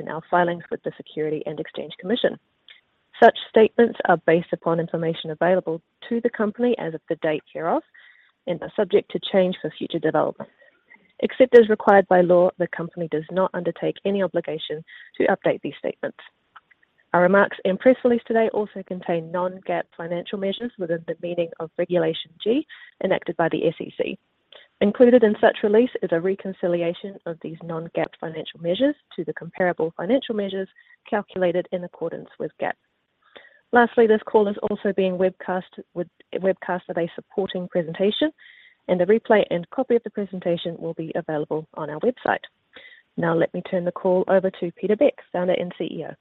In our filings with the Securities and Exchange Commission. Such statements are based upon information available to the company as of the date hereof and are subject to change due to future developments. Except as required by law, the company does not undertake any obligation to update these statements. Our remarks and press release today also contain non-GAAP financial measures within the meaning of Regulation G enacted by the SEC. Included in such release is a reconciliation of these non-GAAP financial measures to the comparable financial measures calculated in accordance with GAAP. Lastly, this call is also being webcast with a supporting presentation, and a replay and copy of the presentation will be available on our website. Now let me turn the call over to Peter Beck, Founder and CEO.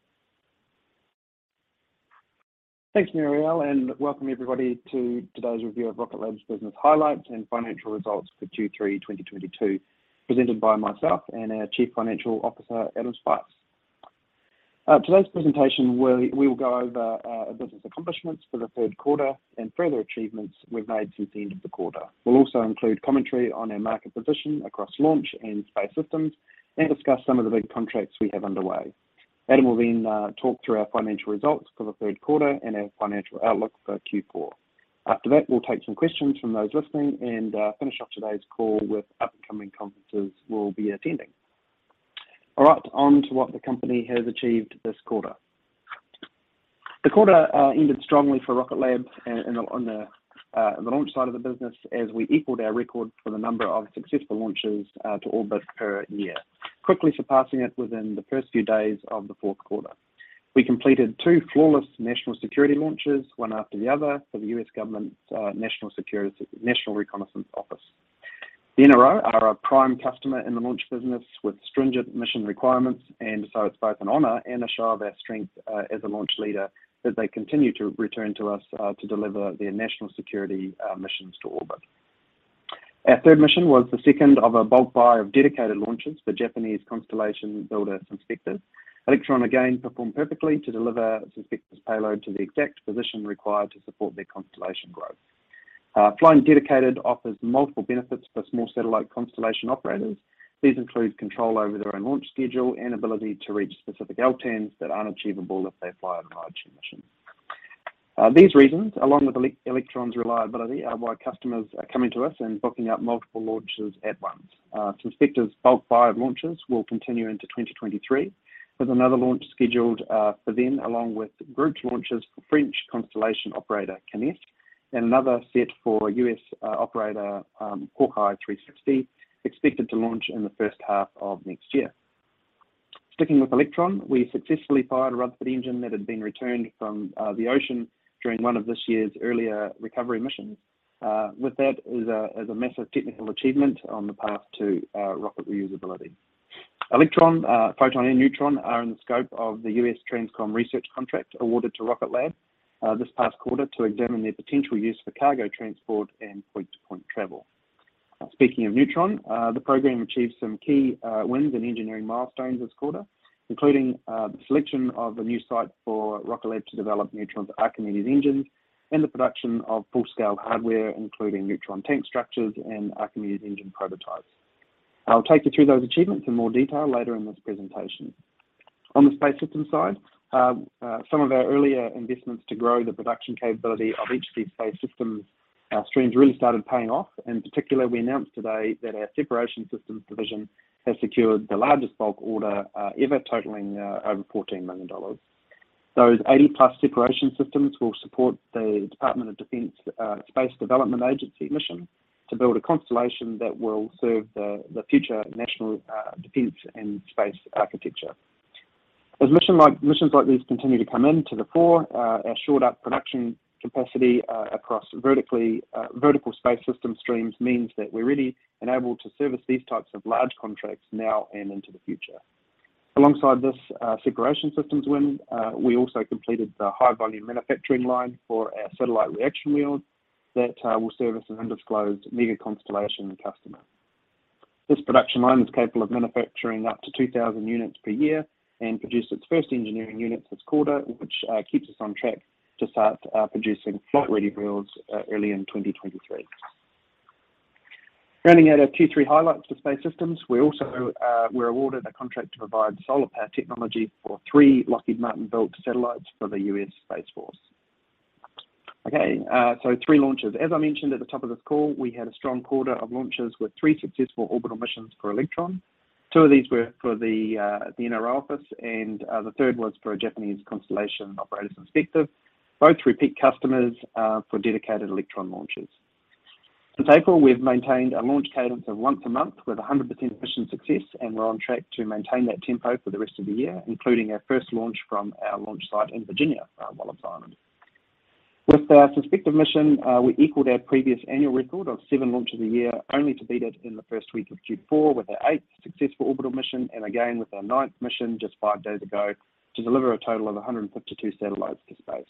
Thanks, Murielle, and welcome everybody to today's review of Rocket Lab's business highlights and financial results for Q3, 2022, presented by myself and our Chief Financial Officer, Adam Spice. Today's presentation, we will go over business accomplishments for the third quarter and further achievements we've made since the end of the quarter. We'll also include commentary on our market position across Launch and Space Systems and discuss some of the big contracts we have underway. Adam will then talk through our financial results for the third quarter and our financial outlook for Q4. After that, we'll take some questions from those listening and finish off today's call with upcoming conferences we'll be attending. All right, on to what the company has achieved this quarter. The quarter ended strongly for Rocket Lab on the launch side of the business as we equaled our record for the number of successful launches to orbit per year. We quickly surpassed it within the first few days of the fourth quarter. We completed two flawless national security launches, one after the other, for the U.S. government's National Reconnaissance Office. The NRO are our prime customer in the launch business with stringent mission requirements and so it's both an honor and a show of our strength as a launch leader that they continue to return to us to deliver their national security missions to orbit. Our third mission was the second of a bulk buy of dedicated launches for Japanese constellation builder Synspective. Electron again performed perfectly to deliver Synspective's payload to the exact position required to support their constellation growth. Flying dedicated offers multiple benefits for small satellite constellation operators. These include control over their own launch schedule and ability to reach specific LTANS that aren't achievable if they fly on a large mission. These reasons, along with Electron's reliability, are why customers are coming to us and booking up multiple launches at once. Synspective's bulk buy of launches will continue into 2023, with another launch scheduled for them, along with grouped launches for French constellation operator Kinéis, and another set for U.S. operator HawkEye 360, expected to launch in the first half of next year. Sticking with Electron, we successfully fired a Rutherford engine that had been returned from the ocean during one of this year's earlier recovery missions. With that is a massive technical achievement on the path to rocket reusability. Electron, Photon and Neutron are in the scope of the USTRANSCOM research contract awarded to Rocket Lab this past quarter to examine their potential use for cargo transport and point-to-point travel. Speaking of Neutron, the program achieved some key wins and engineering milestones this quarter, including the selection of a new site for Rocket Lab to develop Neutron's Archimedes engines and the production of full-scale hardware, including Neutron tank structures and Archimedes engine prototypes. I'll take you through those achievements in more detail later in this presentation. On the Space Systems side, some of our earlier investments to grow the production capability of each of these space systems streams really started paying off. In particular, we announced today that our separation systems division has secured the largest bulk order ever totaling over $14 million. Those 80+ separation systems will support the Department of Defense Space Development Agency mission to build a constellation that will serve the future national defense and space architecture. As missions like these continue to come to the fore, our shored up production capacity across vertical space system streams means that we're really enabled to service these types of large contracts now and into the future. Alongside this separation systems win, we also completed the high volume manufacturing line for our satellite reaction wheels that will service an undisclosed mega constellation customer. This production line is capable of manufacturing up to 2,000 units per year and produced its first engineering units this quarter, which keeps us on track to start producing flight-ready wheels early in 2023. Rounding out our Q3 highlights for space systems, we also were awarded a contract to provide solar power technology for three Lockheed Martin-built satellites for the U.S. Space Force. Okay, three launches. As I mentioned at the top of this call, we had a strong quarter of launches with three successful orbital missions for Electron. Two of these were for the NRO office, and the third was for a Japanese constellation operator, Synspective. Both repeat customers for dedicated Electron launches. Since April, we've maintained a launch cadence of once a month with 100% mission success, and we're on track to maintain that tempo for the rest of the year, including our first launch from our launch site in Virginia, Wallops Island. With the Synspective mission, we equaled our previous annual record of seven launches a year, only to beat it in the first week of Q4 with our eighth successful orbital mission and again with our ninth mission just five days ago to deliver a total of 152 satellites to space.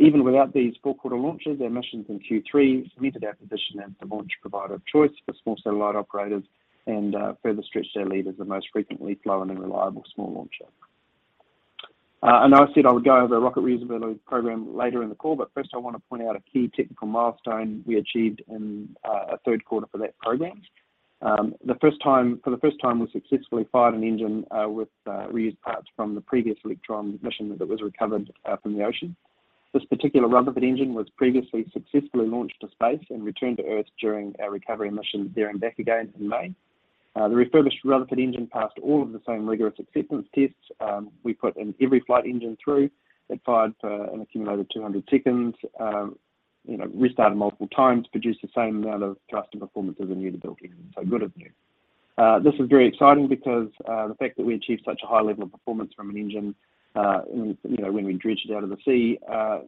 Even without these fourth quarter launches, our missions in Q3 cemented our position as the launch provider of choice for small satellite operators and further stretched our lead as the most frequently flown and reliable small launcher. I know I said I would go over the rocket reusability program later in the call, but first I wanna point out a key technical milestone we achieved in our third quarter for that program. For the first time, we successfully fired an engine with reused parts from the previous Electron mission that was recovered from the ocean. This particular Rutherford engine was previously successfully launched to space and returned to Earth during our recovery mission there and back again in May. The refurbished Rutherford engine passed all of the same rigorous acceptance tests we put every flight engine through. It fired for an accumulated 200 seconds, you know, restarted multiple times, produced the same amount of thrust and performance as a newly-built engine. Good as new. This is very exciting because, the fact that we achieved such a high level of performance from an engine, you know, when we dredged it out of the sea,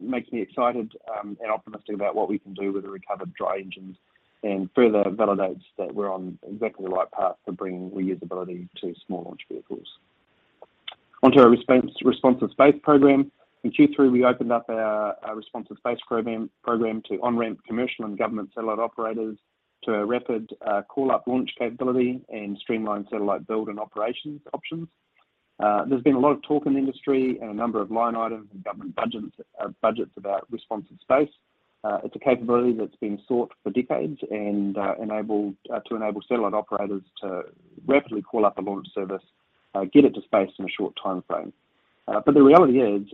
makes me excited, and optimistic about what we can do with the recovered dry engines and further validates that we're on exactly the right path for bringing reusability to small launch vehicles. Onto our Responsive Space program. In Q3, we opened up our Responsive Space program to on-ramp commercial and government satellite operators to a rapid, call-up launch capability and streamlined satellite build and operations options. There's been a lot of talk in the industry and a number of line items in government budgets about Responsive Space. It's a capability that's been sought for decades and enabled to enable satellite operators to rapidly call up a launch service, get it to space in a short timeframe. The reality is,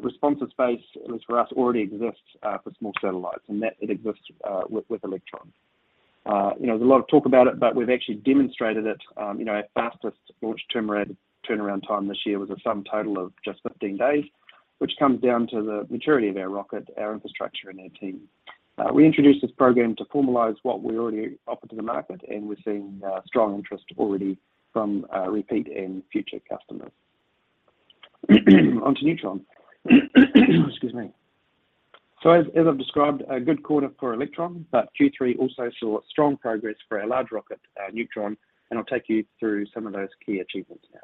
Responsive Space, at least for us, already exists for small satellites, and that it exists with Electron. You know, there's a lot of talk about it, but we've actually demonstrated it, you know, our fastest launch turnaround time this year was a sum total of just 15 days, which comes down to the maturity of our rocket, our infrastructure, and our team. We introduced this program to formalize what we already offer to the market, and we're seeing strong interest already from repeat and future customers. Onto Neutron. As I've described, a good quarter for Electron, but Q3 also saw strong progress for our large rocket, Neutron, and I'll take you through some of those key achievements now.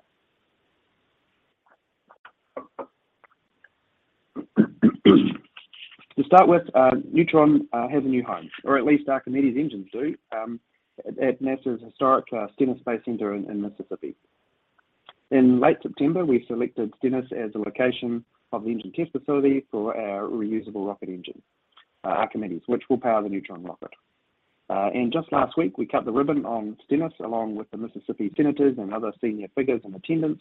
To start with, Neutron has a new home, or at least Archimedes engines do, at NASA's historic Stennis Space Center in Mississippi. In late September, we selected Stennis as the location of the engine test facility for our reusable rocket engine, Archimedes, which will power the Neutron rocket. Just last week, we cut the ribbon on Stennis along with the Mississippi senators and other senior figures in attendance,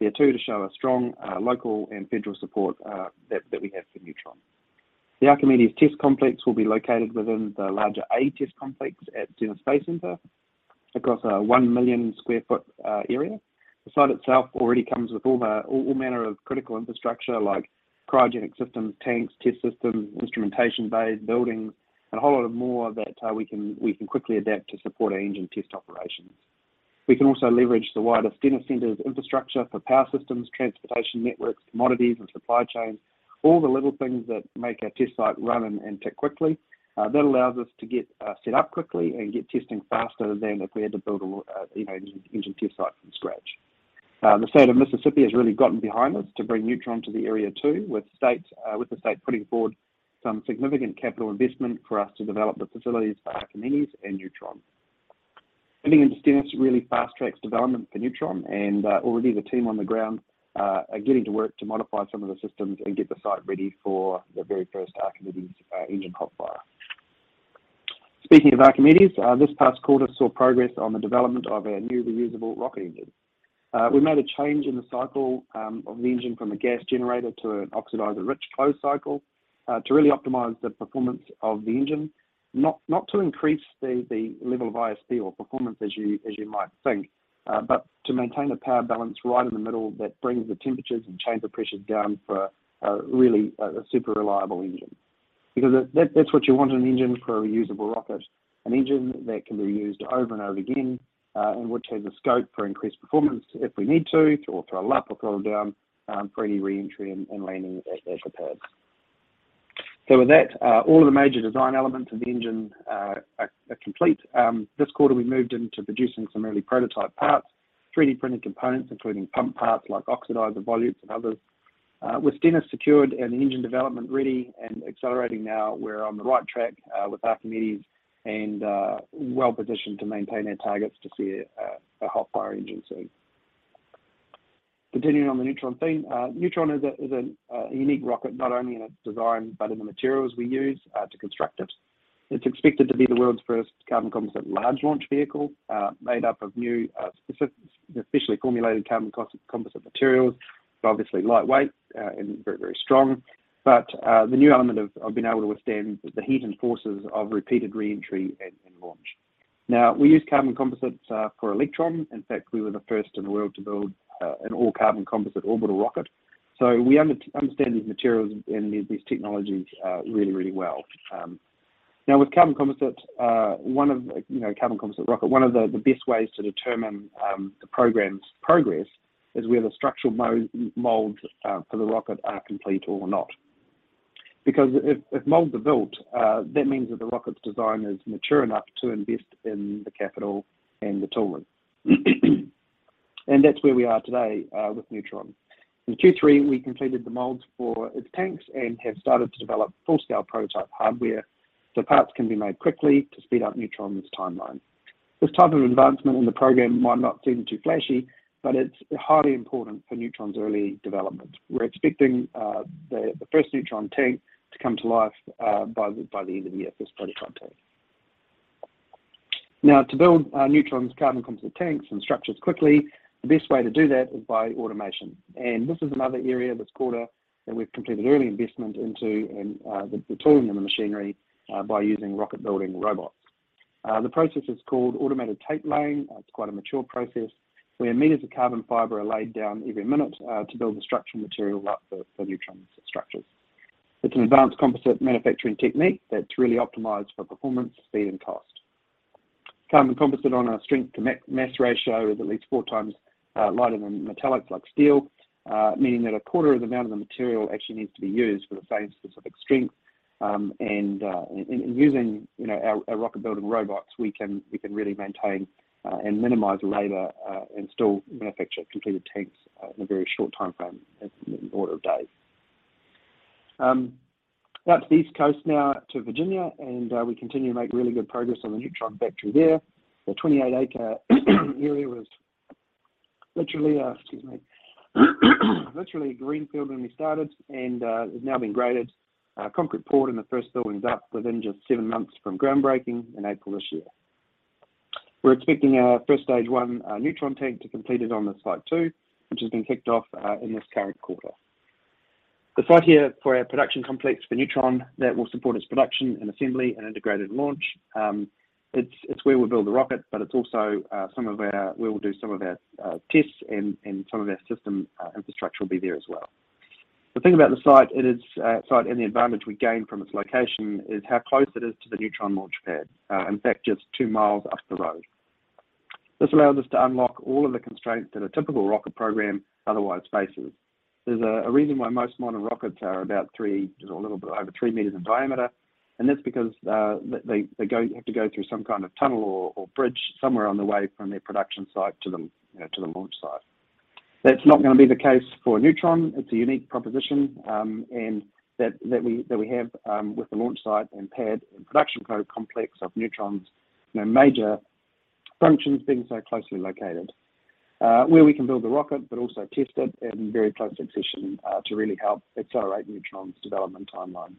there too to show a strong local and federal support that we have for Neutron. The Archimedes test complex will be located within the larger A test complex at Stennis Space Center across a 1 million sq ft area. The site itself already comes with all manner of critical infrastructure like cryogenic systems, tanks, test systems, instrumentation bays, buildings, and a whole lot more that we can quickly adapt to support our engine test operations. We can also leverage the wider Stennis Center's infrastructure for power systems, transportation networks, commodities, and supply chain, all the little things that make our test site run and tick quickly. That allows us to get set up quickly and get testing faster than if we had to build, you know, an engine test site from scratch. The State of Mississippi has really gotten behind us to bring Neutron to the area too, with the state putting forward some significant capital investment for us to develop the facilities for Archimedes and Neutron. Heading into Stennis really fast-tracks development for Neutron, and already the team on the ground are getting to work to modify some of the systems and get the site ready for the very first Archimedes engine hot fire. Speaking of Archimedes, this past quarter saw progress on the development of our new reusable rocket engine. We made a change in the cycle of the engine from a gas generator to an oxidizer-rich closed cycle to really optimize the performance of the engine, not to increase the level of ISP or performance as you might think, but to maintain a power balance right in the middle that brings the temperatures and chamber pressures down for a really super reliable engine. Because that's what you want in an engine for a reusable rocket, an engine that can be used over and over again, and which has the scope for increased performance if we need to, for any reentry and landing at the pad. With that, all of the major design elements of the engine are complete. This quarter, we moved into producing some early prototype parts, 3D printed components, including pump parts like oxidizer volutes and others. With Stennis secured and the engine development ready and accelerating now, we're on the right track with Archimedes and well-positioned to maintain our targets to see a hot fire engine soon. Continuing on the Neutron theme, Neutron is a unique rocket not only in its design, but in the materials we use to construct it. It's expected to be the world's first carbon composite large launch vehicle, made up of new, specially formulated carbon composite materials. Obviously lightweight and very strong, but the new element of being able to withstand the heat and forces of repeated reentry and launch. Now, we use carbon composites for Electron. In fact, we were the first in the world to build an all-carbon composite orbital rocket. We understand these materials and these technologies really well. Now with carbon composite, you know, carbon composite rocket, one of the best ways to determine the program's progress is whether structural molds for the rocket are complete or not. Because if molds are built, that means that the rocket's design is mature enough to invest in the capital and the tooling. That's where we are today with Neutron. In Q3, we completed the molds for its tanks and have started to develop full-scale prototype hardware, so parts can be made quickly to speed up Neutron's timeline. This type of advancement in the program might not seem too flashy, but it's highly important for Neutron's early development. We're expecting the first Neutron tank to come to life by the end of the year, this prototype tank. Now, to build Neutron's carbon composite tanks and structures quickly, the best way to do that is by automation. This is another area this quarter that we've completed early investment into in the tooling and the machinery by using rocket-building robots. The process is called Automated Tape Laying, it's quite a mature process, where meters of carbon fiber are laid down every minute to build the structural material up for Neutron's structures. It's an advanced composite manufacturing technique that's really optimized for performance, speed, and cost. Carbon composite on a strength to mass ratio is at least four times lighter than metallics like steel, meaning that a quarter of the amount of the material actually needs to be used for the same specific strength. Using, you know, our rocket-building robots, we can really maintain and minimize labor and still manufacture completed tanks in a very short timeframe, in order of days. Now to the East Coast to Virginia, we continue to make really good progress on the Neutron factory there. The 28-acre area was literally greenfield when we started and has now been graded. Our concrete pour and the first building is up within just seven months from groundbreaking in April this year. We're expecting our first stage one, Neutron tank to be completed on the Site two, which has been kicked off in this current quarter. The site here for our production complex for Neutron that will support its production and assembly and integrated launch, it's where we build the rocket, but it's also some of our where we'll do some of our tests and some of our system infrastructure will be there as well. The thing about the site and the advantage we gain from its location is how close it is to the Neutron launch pad, in fact, just two miles up the road. This allows us to unlock all of the constraints that a typical rocket program otherwise faces. There's a reason why most modern rockets are about three, just a little bit over three meters in diameter, and that's because they have to go through some kind of tunnel or bridge somewhere on the way from their production site to the, you know, to the launch site. That's not gonna be the case for Neutron. It's a unique proposition, and that we have with the launch site and pad and production complex of Neutron's, you know, major functions being so closely located, where we can build the rocket, but also test it in very close succession, to really help accelerate Neutron's development timeline.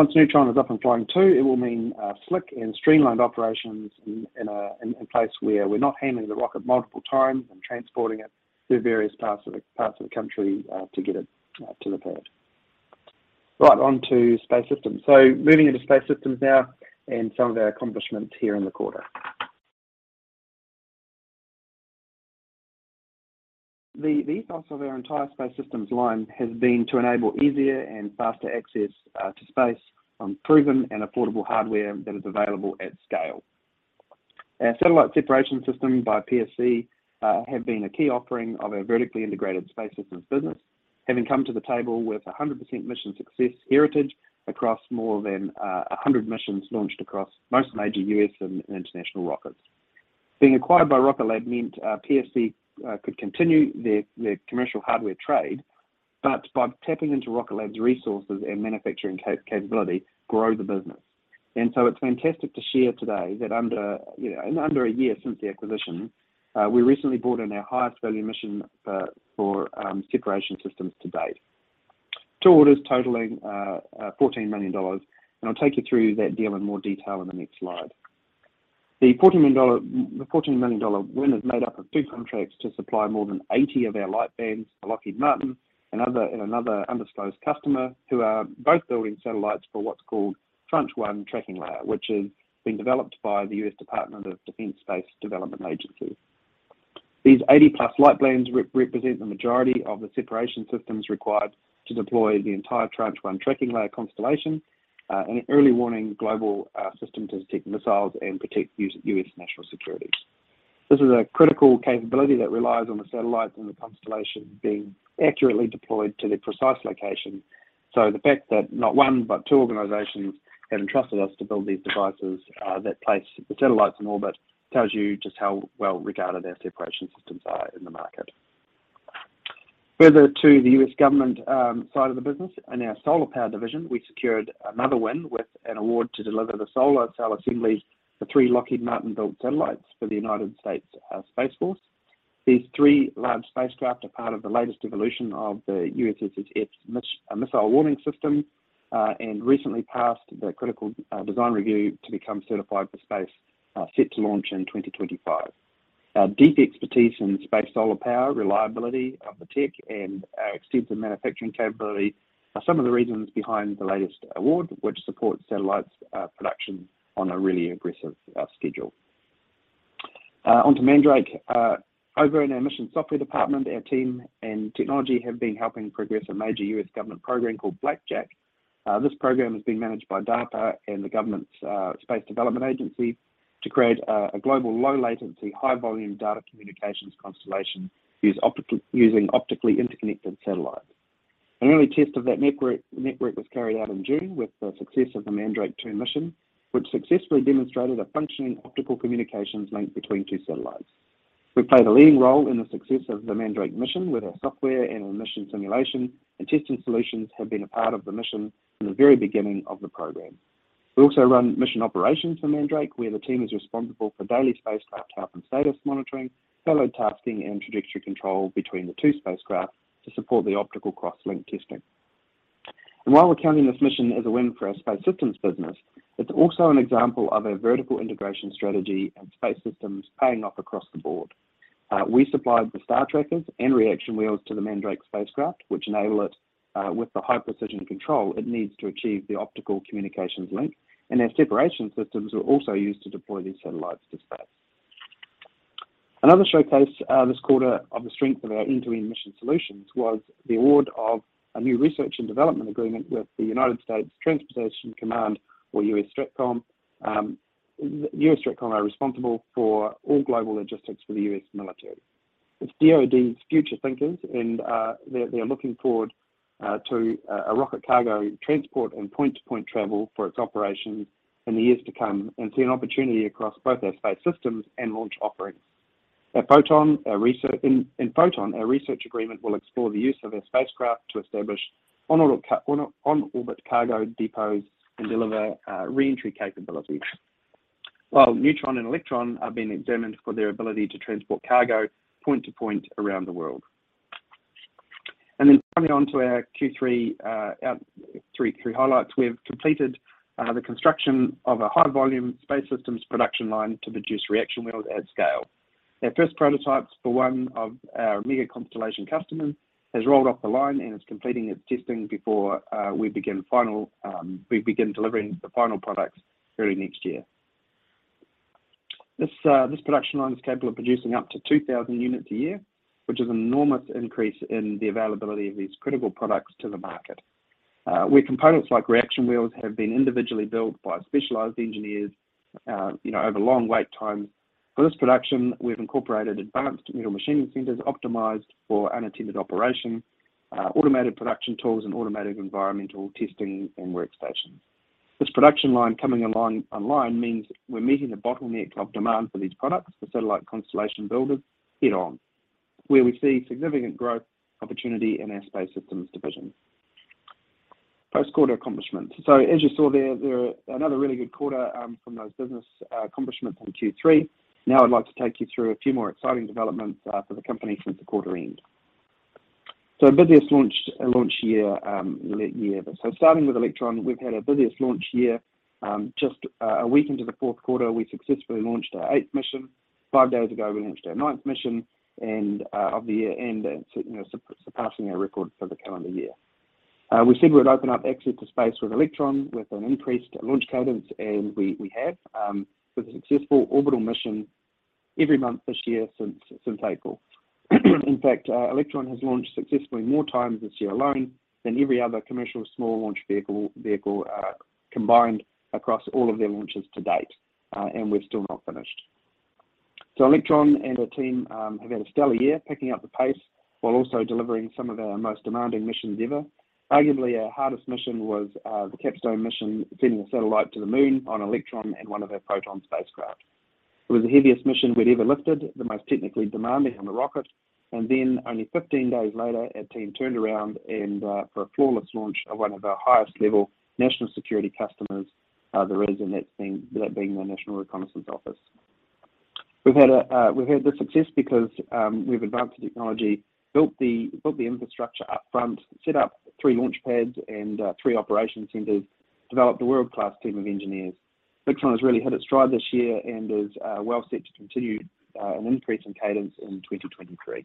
Once Neutron is up and flying too, it will mean slick and streamlined operations in a place where we're not handling the rocket multiple times and transporting it through various parts of the country to get it to the pad. Right, on to Space Systems. Moving into Space Systems now and some of our accomplishments here in the quarter. The ethos of our entire Space Systems line has been to enable easier and faster access to space on proven and affordable hardware that is available at scale. Our satellite separation system by PSC have been a key offering of our vertically integrated Space Systems business, having come to the table with a 100% mission success heritage across more than 100 missions launched across most major U.S. and international rockets. Being acquired by Rocket Lab meant PSC could continue their commercial hardware trade, but by tapping into Rocket Lab's resources and manufacturing capability, grow the business. It's fantastic to share today that you know in under a year since the acquisition we recently brought in our highest value mission for separation systems to date. Two orders totaling $14 million, and I'll take you through that deal in more detail in the next slide. The $14 million win is made up of two contracts to supply more than 80 of our Lightbands to Lockheed Martin and another undisclosed customer who are both building satellites for what's called Tranche 1 Tracking Layer, which is being developed by the U.S. Department of Defense Space Development Agency. These 80+ Lightbands represent the majority of the separation systems required to deploy the entire Tranche 1 Tracking Layer constellation, an early warning global system to detect missiles and protect U.S. national security. This is a critical capability that relies on the satellites and the constellation being accurately deployed to their precise location. The fact that not one, but two organizations have entrusted us to build these devices that place the satellites in orbit tells you just how well-regarded our separation systems are in the market. Further to the U.S. government side of the business, in our solar power division, we secured another win with an award to deliver the solar cell assembly for three Lockheed Martin-built satellites for the United States Space Force. These three large spacecraft are part of the latest evolution of the USSF's missile warning system, and recently passed the critical design review to become certified for space, set to launch in 2025. Our deep expertise in space solar power, reliability of the tech, and our extensive manufacturing capability are some of the reasons behind the latest award, which supports satellites production on a really aggressive schedule. Onto Mandrake. Over in our mission software department, our team and technology have been helping progress a major US government program called Blackjack. This program is being managed by DARPA and the government's space development agency to create a global low latency, high volume data communications constellation using optically interconnected satellites. An early test of that network was carried out in June with the success of the Mandrake-2 mission, which successfully demonstrated a functioning optical communications link between two satellites. We play the leading role in the success of the Mandrake-2 mission with our software and our mission simulation, and testing solutions have been a part of the mission from the very beginning of the program. We also run mission operations for Mandrake-2, where the team is responsible for daily spacecraft health and status monitoring, payload tasking, and trajectory control between the two spacecraft to support the optical cross-link testing. While we're counting this mission as a win for our Space Systems business, it's also an example of a vertical integration strategy and Space Systems paying off across the board. We supplied the star trackers and reaction wheels to the Mandrake spacecraft, which enable it with the high precision control it needs to achieve the optical communications link. Our separation systems were also used to deploy these satellites to space. Another showcase this quarter of the strength of our end-to-end mission solutions was the award of a new research and development agreement with the United States Transportation Command or USTRANSCOM. USTRANSCOM are responsible for all global logistics for the U.S. military. It's DoD's future thinkers and they are looking forward to a rocket cargo transport and point-to-point travel for its operation in the years to come and see an opportunity across both our space systems and launch offerings. In Photon, our research agreement will explore the use of our spacecraft to establish on-orbit cargo depots and deliver reentry capabilities. While Neutron and Electron are being examined for their ability to transport cargo point-to-point around the world. Finally on to our Q3, our three highlights. We've completed the construction of a high-volume space systems production line to produce reaction wheels at scale. Our first prototypes for one of our mega constellation customers has rolled off the line and is completing its testing before we begin delivering the final products early next year. This production line is capable of producing up to 2,000 units a year, which is an enormous increase in the availability of these critical products to the market. Where components like reaction wheels have been individually built by specialized engineers, you know, over long wait times. For this production, we've incorporated advanced metal machining centers optimized for unattended operation, automated production tools, and automated environmental testing and workstations. This production line coming online means we're meeting the bottleneck of demand for these products for satellite constellation builders head-on, where we see significant growth opportunity in our Space Systems division. Post-quarter accomplishments. As you saw there's another really good quarter from those business accomplishments in Q3. Now I'd like to take you through a few more exciting developments for the company since the quarter end. Busiest launch year. Starting with Electron, we've had our busiest launch year. Just a week into the fourth quarter, we successfully launched our eighth mission. Five days ago, we launched our ninth mission of the year, surpassing our record for the calendar year. We said we would open up access to space with Electron with an increased launch cadence, and we have with a successful orbital mission every month this year since April. In fact, Electron has launched successfully more times this year alone than every other commercial small launch vehicle combined across all of their launches to date, and we're still not finished. Electron and our team have had a stellar year, picking up the pace while also delivering some of our most demanding missions ever. Arguably, our hardest mission was the CAPSTONE mission, sending a satellite to the moon on Electron and one of our Photon spacecraft. It was the heaviest mission we'd ever lifted, the most technically demanding on a rocket, and then only 15 days later, our team turned around and for a flawless launch of one of our highest level national security customers, that being the National Reconnaissance Office. We've had this success because we've advanced the technology, built the infrastructure up front, set up three launch pads and three operation centers, developed a world-class team of engineers. Electron has really hit its stride this year and is well set to continue an increase in cadence in 2023.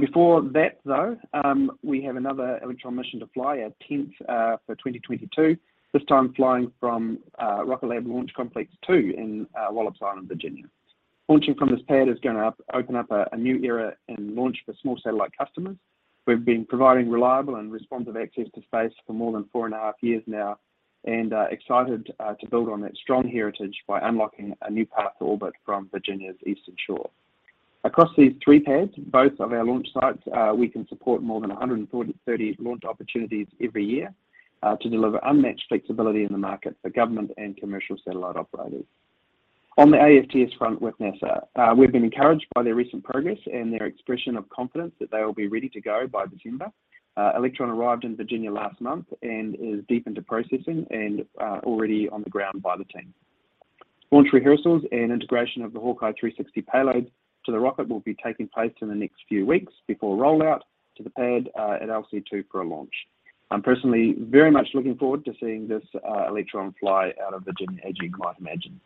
Before that, though, we have another Electron mission to fly, our 10th for 2022. This time flying from Rocket Lab Launch Complex two in Wallops Island, Virginia. Launching from this pad is gonna open up a new era in launch for small satellite customers. We've been providing reliable and responsive access to space for more than four and a half years now, and excited to build on that strong heritage by unlocking a new path to orbit from Virginia's eastern shore. Across these three pads, both of our launch sites, we can support more than 143 launch opportunities every year to deliver unmatched flexibility in the market for government and commercial satellite operators. On the AFTS front with NASA, we've been encouraged by their recent progress and their expression of confidence that they'll be ready to go by December. Electron arrived in Virginia last month and is deep into processing and already on the ground by the team. Launch rehearsals and integration of the HawkEye 360 payload to the rocket will be taking place in the next few weeks before rollout to the pad at LC2 for a launch. I'm personally very much looking forward to seeing this Electron fly out of Virginia, as you might imagine.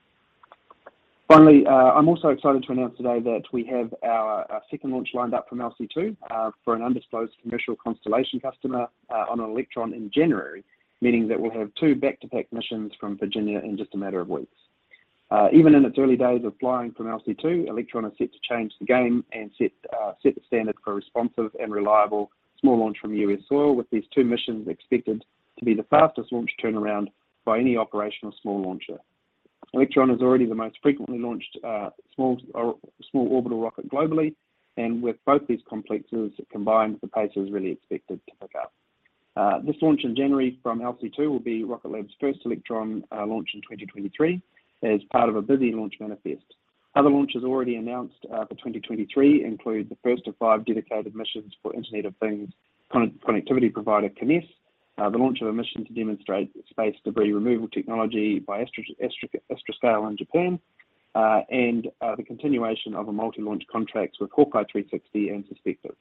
Finally, I'm also excited to announce today that we have our second launch lined up from LC2 for an undisclosed commercial constellation customer on an Electron in January, meaning that we'll have two back-to-back missions from Virginia in just a matter of weeks. Even in its early days of flying from LC2, Electron is set to change the game and set the standard for responsive and reliable small launch from U.S. soil with these two missions expected to be the fastest launch turnaround by any operational small launcher. Electron is already the most frequently launched small orbital rocket globally, and with both these complexes combined, the pace is really expected to pick up. This launch in January from LC-2 will be Rocket Lab's first Electron launch in 2023 as part of a busy launch manifest. Other launches already announced for 2023 include the first of five dedicated missions for Internet of Things connectivity provider Kinéis, the launch of a mission to demonstrate space debris removal technology by Astroscale in Japan, and the continuation of a multi-launch contracts with HawkEye 360 and Synspective.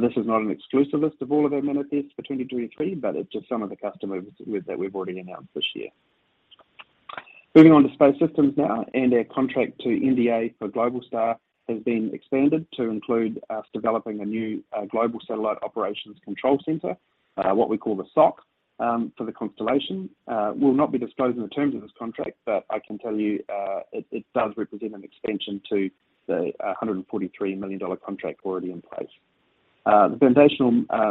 This is not an exclusive list of all of our manifests for 2023, but it's just some of the customers that we've already announced this year. Moving on to space systems now, our contract to MDA for Globalstar has been expanded to include us developing a new global satellite operations control center, what we call the SOC, for the constellation. We'll not be disclosing the terms of this contract, but I can tell you, it does represent an extension to the $143 million contract already in place. The foundational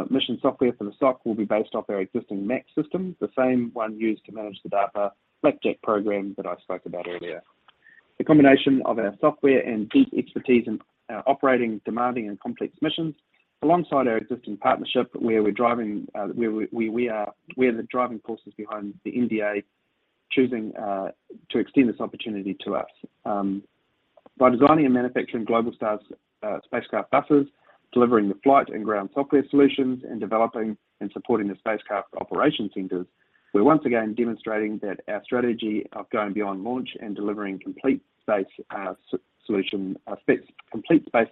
mission software for the SOC will be based off our existing MAX system, the same one used to manage the DARPA BlackJack program that I spoke about earlier. The combination of our software and deep expertise in operating demanding and complex missions alongside our existing partnership, we're the driving forces behind the MDA choosing to extend this opportunity to us. By designing and manufacturing Globalstar's spacecraft buses, delivering the flight and ground software solutions, and developing and supporting the spacecraft operation centers, we're once again demonstrating that our strategy of going beyond launch and delivering complete space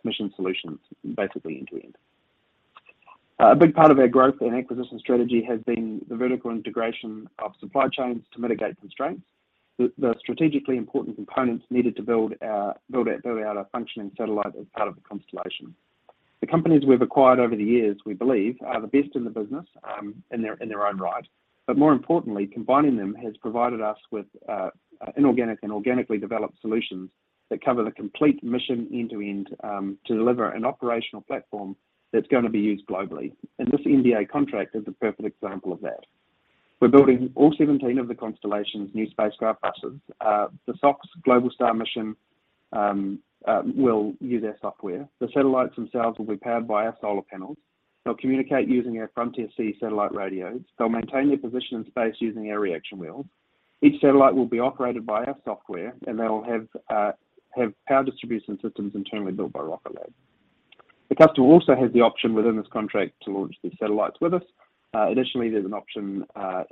mission solutions basically end-to-end. A big part of our growth and acquisition strategy has been the vertical integration of supply chains to mitigate constraints. The strategically important components needed to build out our functioning satellite as part of the constellation. The companies we've acquired over the years, we believe are the best in the business, in their own right. More importantly, combining them has provided us with inorganic and organically developed solutions that cover the complete mission end-to-end, to deliver an operational platform that's gonna be used globally. This NDA contract is a perfect example of that. We're building all 17 of the constellations, new spacecraft buses. The SOC's Globalstar mission will use our software. The satellites themselves will be powered by our solar panels. They'll communicate using our Frontier-C satellite radios. They'll maintain their position in space using our reaction wheel. Each satellite will be operated by our software, and they'll have power distribution systems internally built by Rocket Lab. The customer also has the option within this contract to launch these satellites with us. Additionally, there's an option for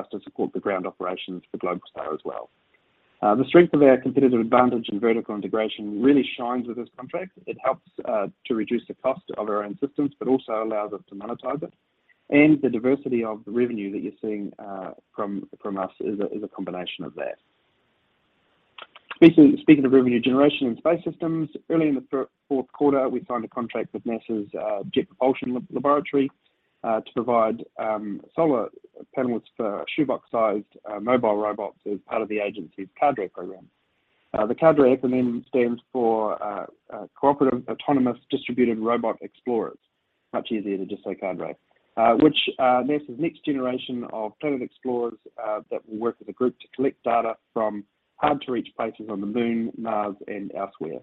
us to support the ground operations for Globalstar as well. The strength of our competitive advantage and vertical integration really shines with this contract. It helps to reduce the cost of our own systems, but also allows us to monetize it. The diversity of the revenue that you're seeing from us is a combination of that. Speaking of revenue generation and space systems, early in the fourth quarter, we signed a contract with NASA's Jet Propulsion Laboratory to provide solar panels for shoebox-sized mobile robots as part of the agency's CADRE program. The CADRE acronym stands for Cooperative Autonomous Distributed Robotic Exploration. Much easier to just say CADRE. Which NASA's next generation of planet explorers that will work with a group to collect data from hard-to-reach places on the Moon, Mars, and elsewhere.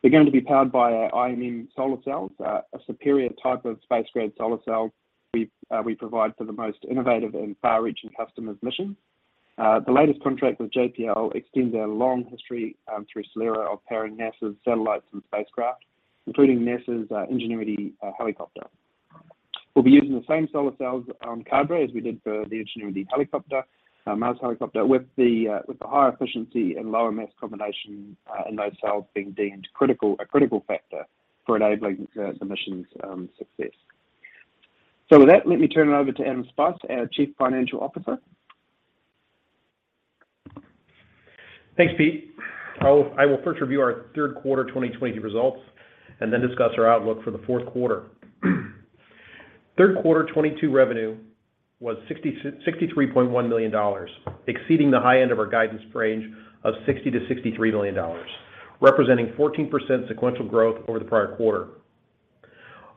They're going to be powered by our IMM solar cells, a superior type of space-grade solar cell we provide for the most innovative and far-reaching customers' missions. The latest contract with JPL extends our long history through SolAero of powering NASA's satellites and spacecraft, including NASA's Ingenuity helicopter. We'll be using the same solar cells on CADRE as we did for the Ingenuity helicopter, Mars Helicopter, with the higher efficiency and lower mass combination in those cells being deemed a critical factor for enabling the mission's success. With that, let me turn it over to Adam Spice, our Chief Financial Officer. Thanks, Pete. I will first review our third quarter 2022 results and then discuss our outlook for the fourth quarter. Third quarter 2022 revenue was $63.1 million, exceeding the high end of our guidance range of $60-$63 million, representing 14% sequential growth over the prior quarter.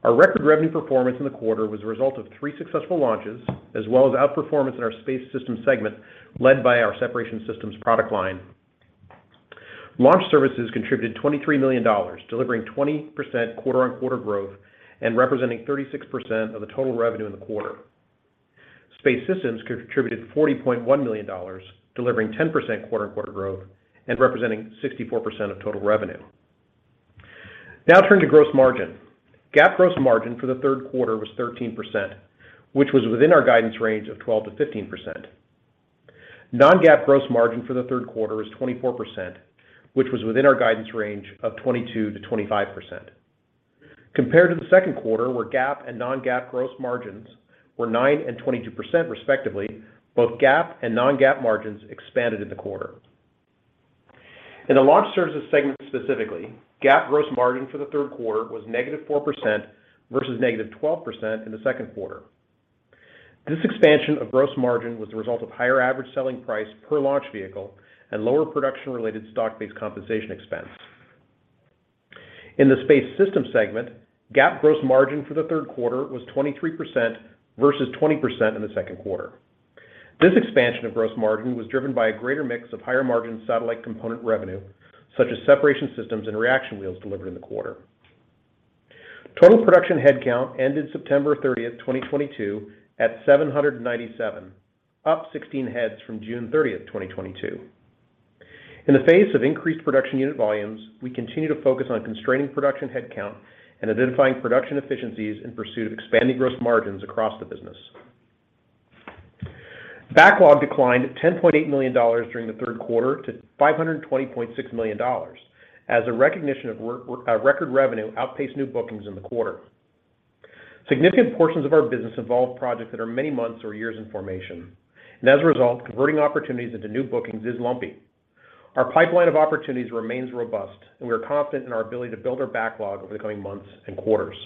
Our record revenue performance in the quarter was a result of three successful launches, as well as outperformance in our Space Systems segment led by our separation systems product line. Launch Services contributed $23 million, delivering 20% quarter-over-quarter growth and representing 36% of the total revenue in the quarter. Space Systems contributed $40.1 million, delivering 10% quarter-over-quarter growth and representing 64% of total revenue. Now turning to gross margin. GAAP gross margin for the third quarter was 13%, which was within our guidance range of 12%-15%. Non-GAAP gross margin for the third quarter was 24%, which was within our guidance range of 22%-25%. Compared to the second quarter, where GAAP and non-GAAP gross margins were 9% and 22% respectively, both GAAP and non-GAAP margins expanded in the quarter. In the launch services segment specifically, GAAP gross margin for the third quarter was -4% versus -12% in the second quarter. This expansion of gross margin was the result of higher average selling price per launch vehicle and lower production-related stock-based compensation expense. In the Space Systems segment, GAAP gross margin for the third quarter was 23% versus 20% in the second quarter. This expansion of gross margin was driven by a greater mix of higher-margin satellite component revenue, such as separation systems and reaction wheels delivered in the quarter. Total production headcount ended September 30th, 2022 at 797, up 16 heads from June 30th, 2022. In the face of increased production unit volumes, we continue to focus on constraining production headcount and identifying production efficiencies in pursuit of expanding gross margins across the business. Backlog declined $10.8 million during the third quarter to $520.6 million as revenue recognition, record revenue outpaced new bookings in the quarter. Significant portions of our business involve projects that are many months or years in formation, and as a result, converting opportunities into new bookings is lumpy. Our pipeline of opportunities remains robust, and we are confident in our ability to build our backlog over the coming months and quarters.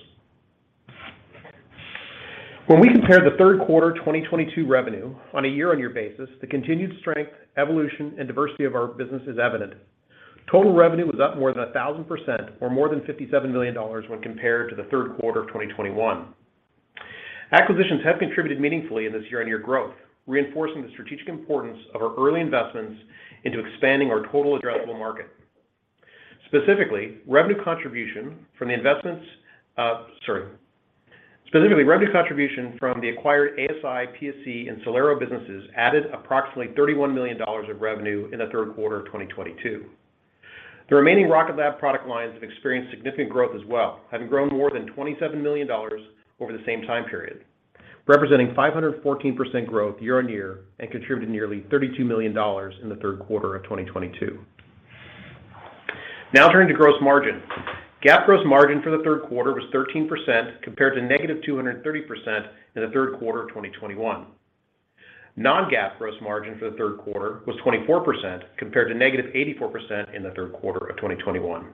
When we compare the third quarter 2022 revenue on a year-on-year basis, the continued strength, evolution, and diversity of our business is evident. Total revenue was up more than 1,000% or more than $57 million when compared to the third quarter of 2021. Acquisitions have contributed meaningfully in this year-on-year growth, reinforcing the strategic importance of our early investments into expanding our total addressable market. Specifically, revenue contribution from the investments. Specifically, revenue contribution from the acquired ASI, PSC, and SolAero businesses added approximately $31 million of revenue in the third quarter of 2022. The remaining Rocket Lab product lines have experienced significant growth as well, having grown more than $27 million over the same time period, representing 514% growth year on year and contributed nearly $32 million in the third quarter of 2022. Now turning to gross margin. GAAP gross margin for the third quarter was 13% compared to -230% in the third quarter of 2021. Non-GAAP gross margin for the third quarter was 24% compared to -84% in the third quarter of 2021.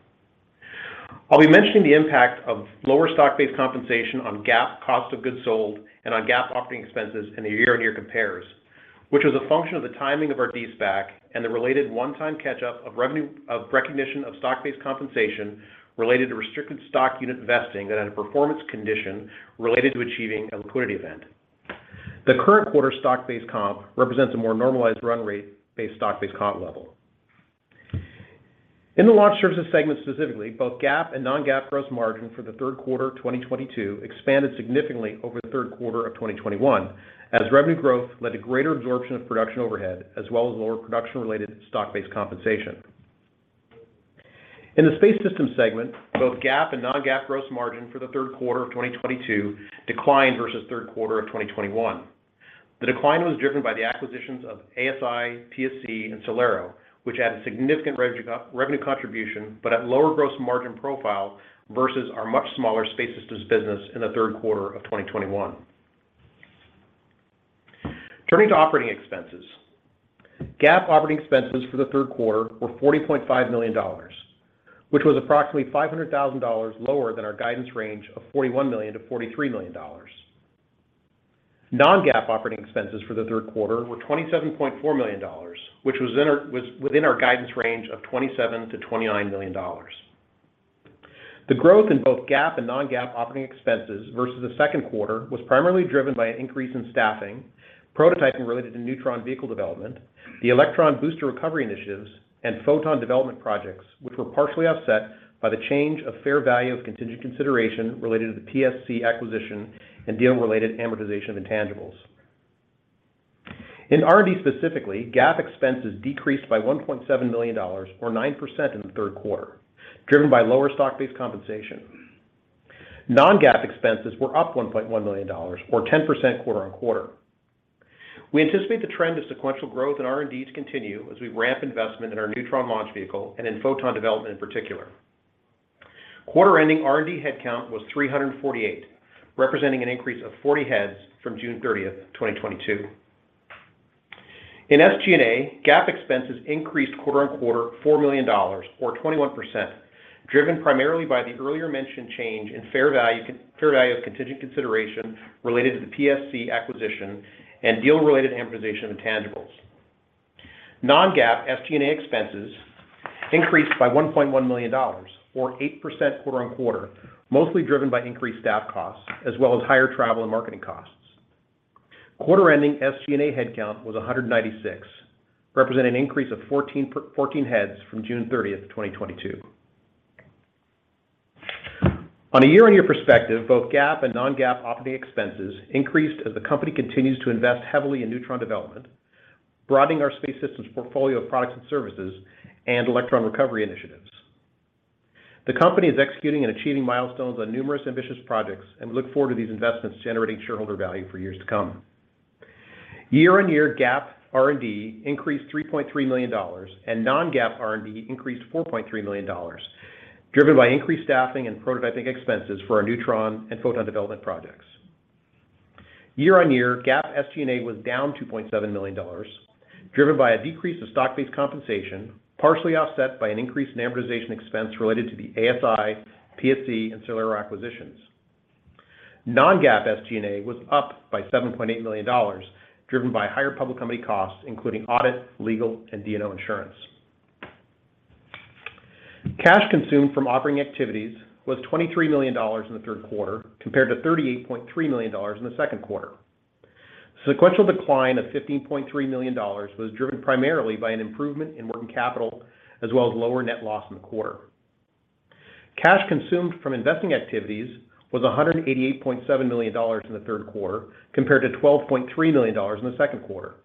I'll be mentioning the impact of lower stock-based compensation on GAAP cost of goods sold and on GAAP operating expenses in the year-on-year compares, which was a function of the timing of our de-SPAC and the related one-time catch-up of recognition of stock-based compensation related to restricted stock unit vesting that had a performance condition related to achieving a liquidity event. The current quarter stock-based comp represents a more normalized run rate based stock-based comp level. In the launch services segment specifically, both GAAP and non-GAAP gross margin for the third quarter of 2022 expanded significantly over the third quarter of 2021 as revenue growth led to greater absorption of production overhead as well as lower production-related stock-based compensation. In the space systems segment, both GAAP and non-GAAP gross margin for the third quarter of 2022 declined versus third quarter of 2021. The decline was driven by the acquisitions of ASI, PSC, and SolAero, which added significant revenue contribution but at lower gross margin profile versus our much smaller space systems business in the third quarter of 2021. Turning to operating expenses. GAAP operating expenses for the third quarter were $40.5 million, which was approximately $500,000 lower than our guidance range of $41 million-$43 million. Non-GAAP operating expenses for the third quarter were $27.4 million which was within our guidance range of $27 million-$29 million. The growth in both GAAP and non-GAAP operating expenses versus the second quarter was primarily driven by an increase in staffing, prototyping related to Neutron vehicle development, the Electron booster recovery initiatives, and Photon development projects, which were partially offset by the change of fair value of contingent consideration related to the PSC acquisition and deal-related amortization of intangibles. In R&D specifically, GAAP expenses decreased by $1.7 million or 9% in the third quarter, driven by lower stock-based compensation. Non-GAAP expenses were up $1.1 million or 10% quarter-over-quarter. We anticipate the trend of sequential growth in R&D to continue as we ramp investment in our Neutron launch vehicle and in Photon development in particular. Quarter ending R&D headcount was 348, representing an increase of 40 heads from June 30th, 2022. In SG&A, GAAP expenses increased quarter-over-quarter $4 million or 21%, driven primarily by the earlier mentioned change in fair value of contingent consideration related to the PSC acquisition and deal-related amortization of intangibles. Non-GAAP SG&A expenses increased by $1.1 million or 8% quarter-over-quarter, mostly driven by increased staff costs as well as higher travel and marketing costs. Quarter-ending SG&A headcount was 196, representing an increase of 14 heads from June 30th, 2022. On a year-on-year perspective, both GAAP and non-GAAP operating expenses increased as the company continues to invest heavily in Neutron development, broadening our space systems portfolio of products and services, and Electron recovery initiatives. The company is executing and achieving milestones on numerous ambitious projects, and we look forward to these investments generating shareholder value for years to come. Year-over-year GAAP R&D increased $3.3 million, and non-GAAP R&D increased $4.3 million, driven by increased staffing and prototyping expenses for our Neutron and Photon development projects. Year-over-year, GAAP SG&A was down $2.7 million, driven by a decrease of stock-based compensation, partially offset by an increase in amortization expense related to the ASI, PSC, and SolAero acquisitions. Non-GAAP SG&A was up by $7.8 million, driven by higher public company costs, including audit, legal, and D&O insurance. Cash consumed from operating activities was $23 million in the third quarter compared to $38.3 million in the second quarter. Sequential decline of $15.3 million was driven primarily by an improvement in working capital as well as lower net loss in the quarter. Cash consumed from investing activities was $188.7 million in the third quarter compared to $12.3 million in the second quarter.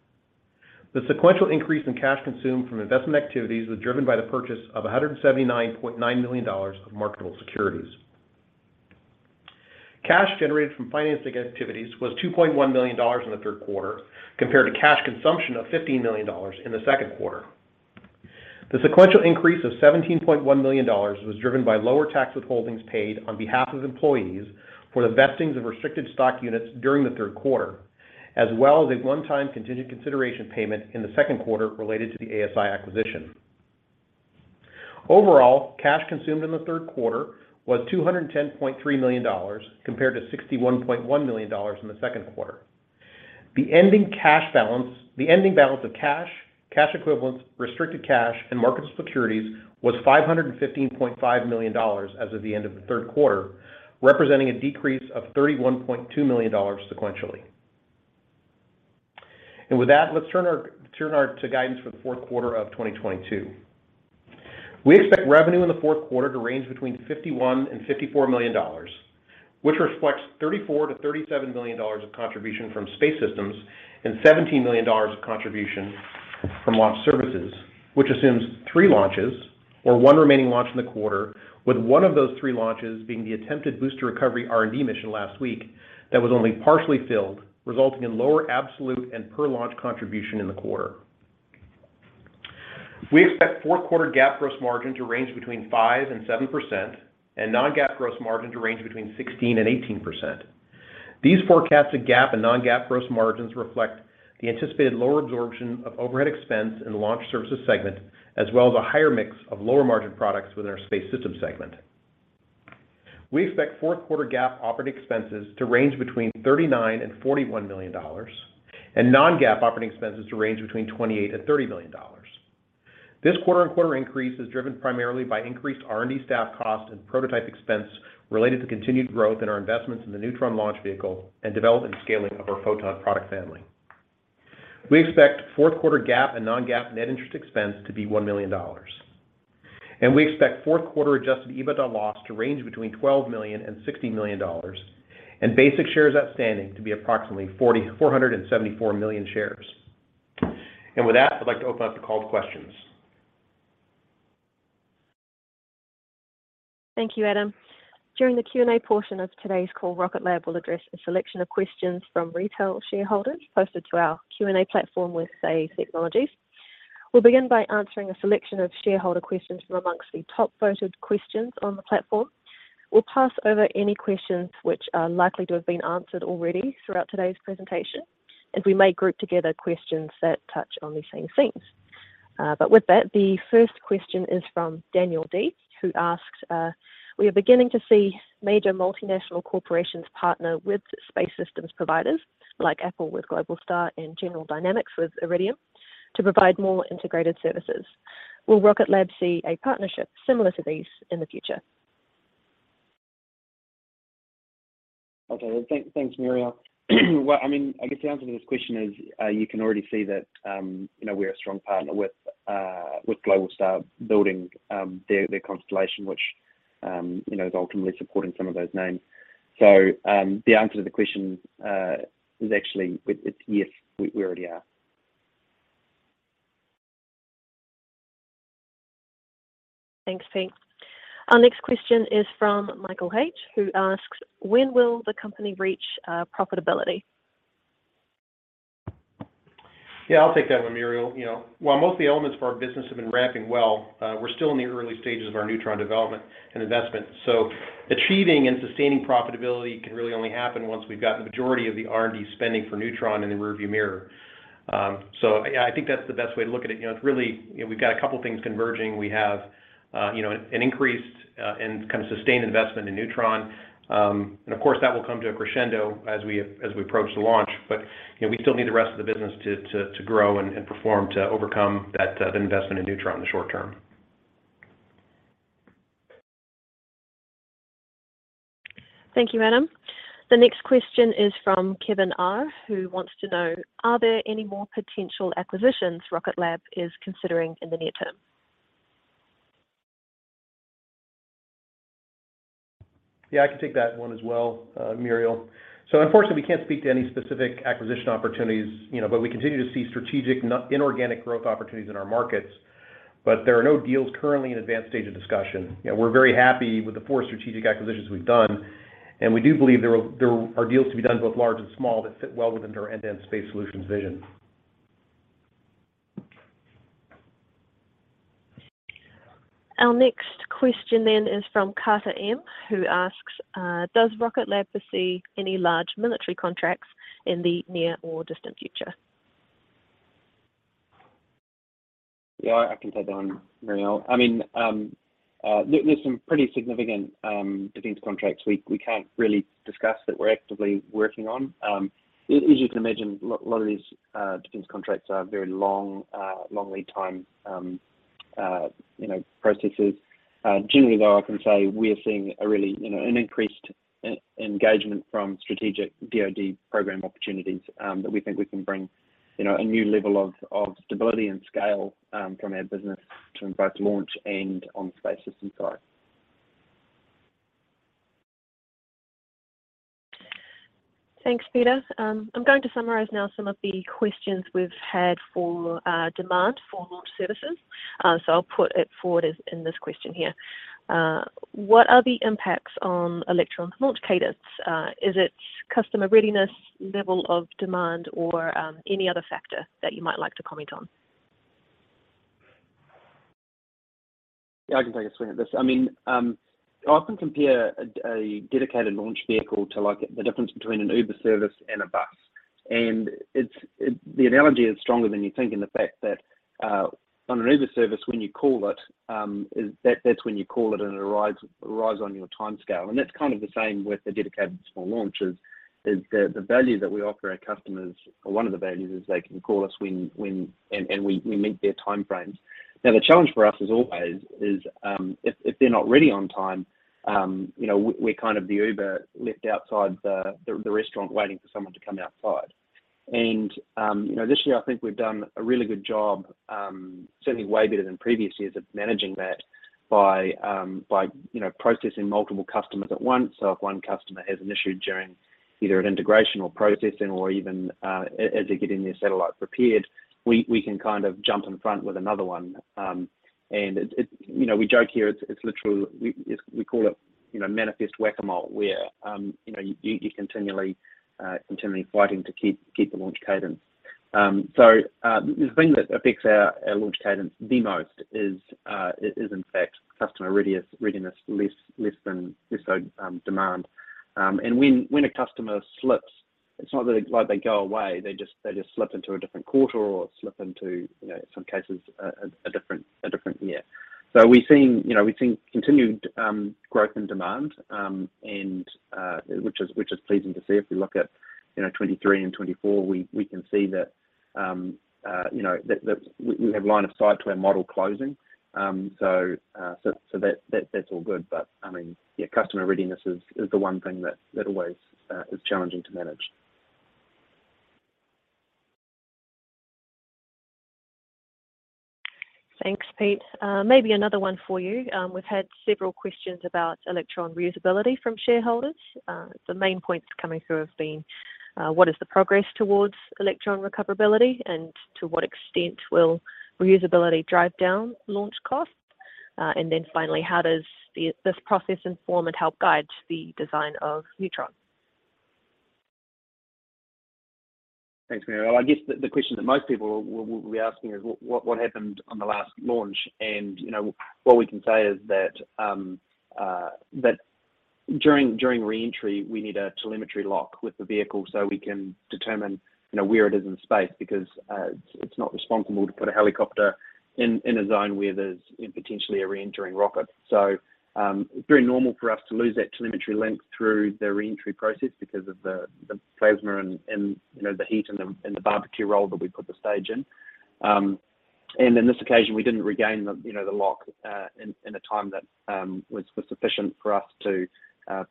The sequential increase in cash consumed from investment activities was driven by the purchase of $179.9 million of marketable securities. Cash generated from financing activities was $2.1 million in the third quarter compared to cash consumption of $15 million in the second quarter. The sequential increase of $17.1 million was driven by lower tax withholdings paid on behalf of employees for the vestings of restricted stock units during the third quarter, as well as a one-time contingent consideration payment in the second quarter related to the ASI acquisition. Overall, cash consumed in the third quarter was $210.3 million compared to $61.1 million in the second quarter. The ending balance of cash equivalents, restricted cash, and marketable securities was $515.5 million as of the end of the third quarter, representing a decrease of $31.2 million sequentially. With that, let's turn to our guidance for the fourth quarter of 2022. We expect revenue in the fourth quarter to range between $51 million and $54 million, which reflects $34 million-$37 million of contribution from Space Systems and $17 million of contribution from Launch Services, which assumes three launches or one remaining launch in the quarter, with one of those three launches being the attempted booster recovery R&D mission last week that was only partially filled, resulting in lower absolute and per-launch contribution in the quarter. We expect fourth quarter GAAP gross margin to range between 5% and 7% and non-GAAP gross margin to range between 16% and 18%. These forecasted GAAP and non-GAAP gross margins reflect the anticipated lower absorption of overhead expense in the launch services segment, as well as a higher mix of lower margin products within our Space Systems segment. We expect fourth quarter GAAP operating expenses to range between $39 million and $41 million and non-GAAP operating expenses to range between $28 million and $30 million. This quarter-on-quarter increase is driven primarily by increased R&D staff costs and prototype expense related to continued growth in our investments in the Neutron launch vehicle and development and scaling of our Photon product family. We expect fourth quarter GAAP and non-GAAP net interest expense to be $1 million. We expect fourth quarter Adjusted EBITDA loss to range between $12 million and $16 million and basic shares outstanding to be approximately 474 million shares. With that, I'd like to open up the call to questions. Thank you, Adam. During the Q&A portion of today's call, Rocket Lab will address a selection of questions from retail shareholders posted to our Q&A platform with Say Technologies. We'll begin by answering a selection of shareholder questions from amongst the top-voted questions on the platform. We'll pass over any questions which are likely to have been answered already throughout today's presentation, and we may group together questions that touch on the same themes. With that, the first question is from Daniel D., who asks: We are beginning to see major multinational corporations partner with space systems providers like Apple with Globalstar and General Dynamics with Iridium to provide more integrated services. Will Rocket Lab see a partnership similar to these in the future? Okay. Well, thanks, Murielle. Well, I mean, I guess the answer to this question is, you can already see that, you know, we're a strong partner with Globalstar building their constellation, which, you know, is ultimately supporting some of those names. The answer to the question is actually it's yes. We already are. Thanks, Pete. Our next question is from Michael H., who asks: When will the company reach profitability? Yeah, I'll take that one, Murielle. You know, while most of the elements of our business have been ramping well, we're still in the early stages of our Neutron development and investment. Achieving and sustaining profitability can really only happen once we've got the majority of the R&D spending for Neutron in the rearview mirror. Yeah, I think that's the best way to look at it. You know, it's really, you know, we've got a couple of things converging. We have, you know, an increased and kind of sustained investment in Neutron. And of course, that will come to a crescendo as we approach the launch. You know, we still need the rest of the business to grow and perform to overcome that, the investment in Neutron in the short term. Thank you, Adam. The next question is from Kevin R., who wants to know: Are there any more potential acquisitions Rocket Lab is considering in the near term? Yeah, I can take that one as well, Murielle. Unfortunately, we can't speak to any specific acquisition opportunities, you know, but we continue to see strategic inorganic growth opportunities in our markets. There are no deals currently in advanced stage of discussion. You know, we're very happy with the four strategic acquisitions we've done, and we do believe there are deals to be done, both large and small, that fit well within our end-to-end space solutions vision. Our next question then is from Carter M., who asks: Does Rocket Lab foresee any large military contracts in the near or distant future? Yeah, I can take that one, Murielle. I mean, there's some pretty significant defense contracts we can't really discuss that we're actively working on. As you can imagine, a lot of these defense contracts are very long lead time, you know, processes. Generally, though, I can say we're seeing a really, you know, an increased engagement from strategic DoD program opportunities that we think we can bring, you know, a new level of stability and scale from our business to both launch and on the space system side. Thanks, Peter. I'm going to summarize now some of the questions we've had for demand for launch services. I'll put it forward as in this question here. What are the impacts on Electron launch cadence? Is it customer readiness, level of demand, or any other factor that you might like to comment on? Yeah, I can take a swing at this. I mean, I often compare a dedicated launch vehicle to, like, the difference between an Uber service and a bus. It's the analogy is stronger than you think in the fact that on an Uber service, when you call it, that's when you call it, and it arrives on your timescale. That's kind of the same with the dedicated small launches, is the value that we offer our customers, or one of the values, is they can call us when and we meet their time frames. Now, the challenge for us is always if they're not ready on time, you know, we're kind of the Uber left outside the restaurant waiting for someone to come outside. You know, this year I think we've done a really good job, certainly way better than previous years, at managing that by, you know, processing multiple customers at once. If one customer has an issue during either an integration or processing or even as they're getting their satellite prepared, we can kind of jump in front with another one. It, you know, we joke here, it's literally we call it manifest whack-a-mole, where you know, you continually fighting to keep the launch cadence. The thing that affects our launch cadence the most is in fact customer readiness less so than demand. When a customer slips, it's not that like they go away, they just slip into a different quarter or slip into, you know, some cases, a different year. We're seeing, you know, continued growth and demand, which is pleasing to see. If we look at, you know, 2023 and 2024, we can see that, you know, we have line of sight to our model closing. So that's all good. I mean, yeah, customer readiness is the one thing that always is challenging to manage. Thanks, Pete. Maybe another one for you. We've had several questions about Electron reusability from shareholders. The main points coming through have been, what is the progress towards Electron recoverability, and to what extent will reusability drive down launch costs? Finally, how does this process inform and help guide the design of Neutron? Thanks, Murielle. I guess the question that most people will be asking is what happened on the last launch? You know, what we can say is that during re-entry, we need a telemetry lock with the vehicle so we can determine, you know, where it is in space because it's not responsible to put a helicopter in a zone where there's potentially a re-entering rocket. Very normal for us to lose that telemetry lock through the re-entry process because of the plasma and, you know, the heat and the barbecue roll that we put the stage in. On this occasion, we didn't regain the, you know, the lock in a time that was sufficient for us to,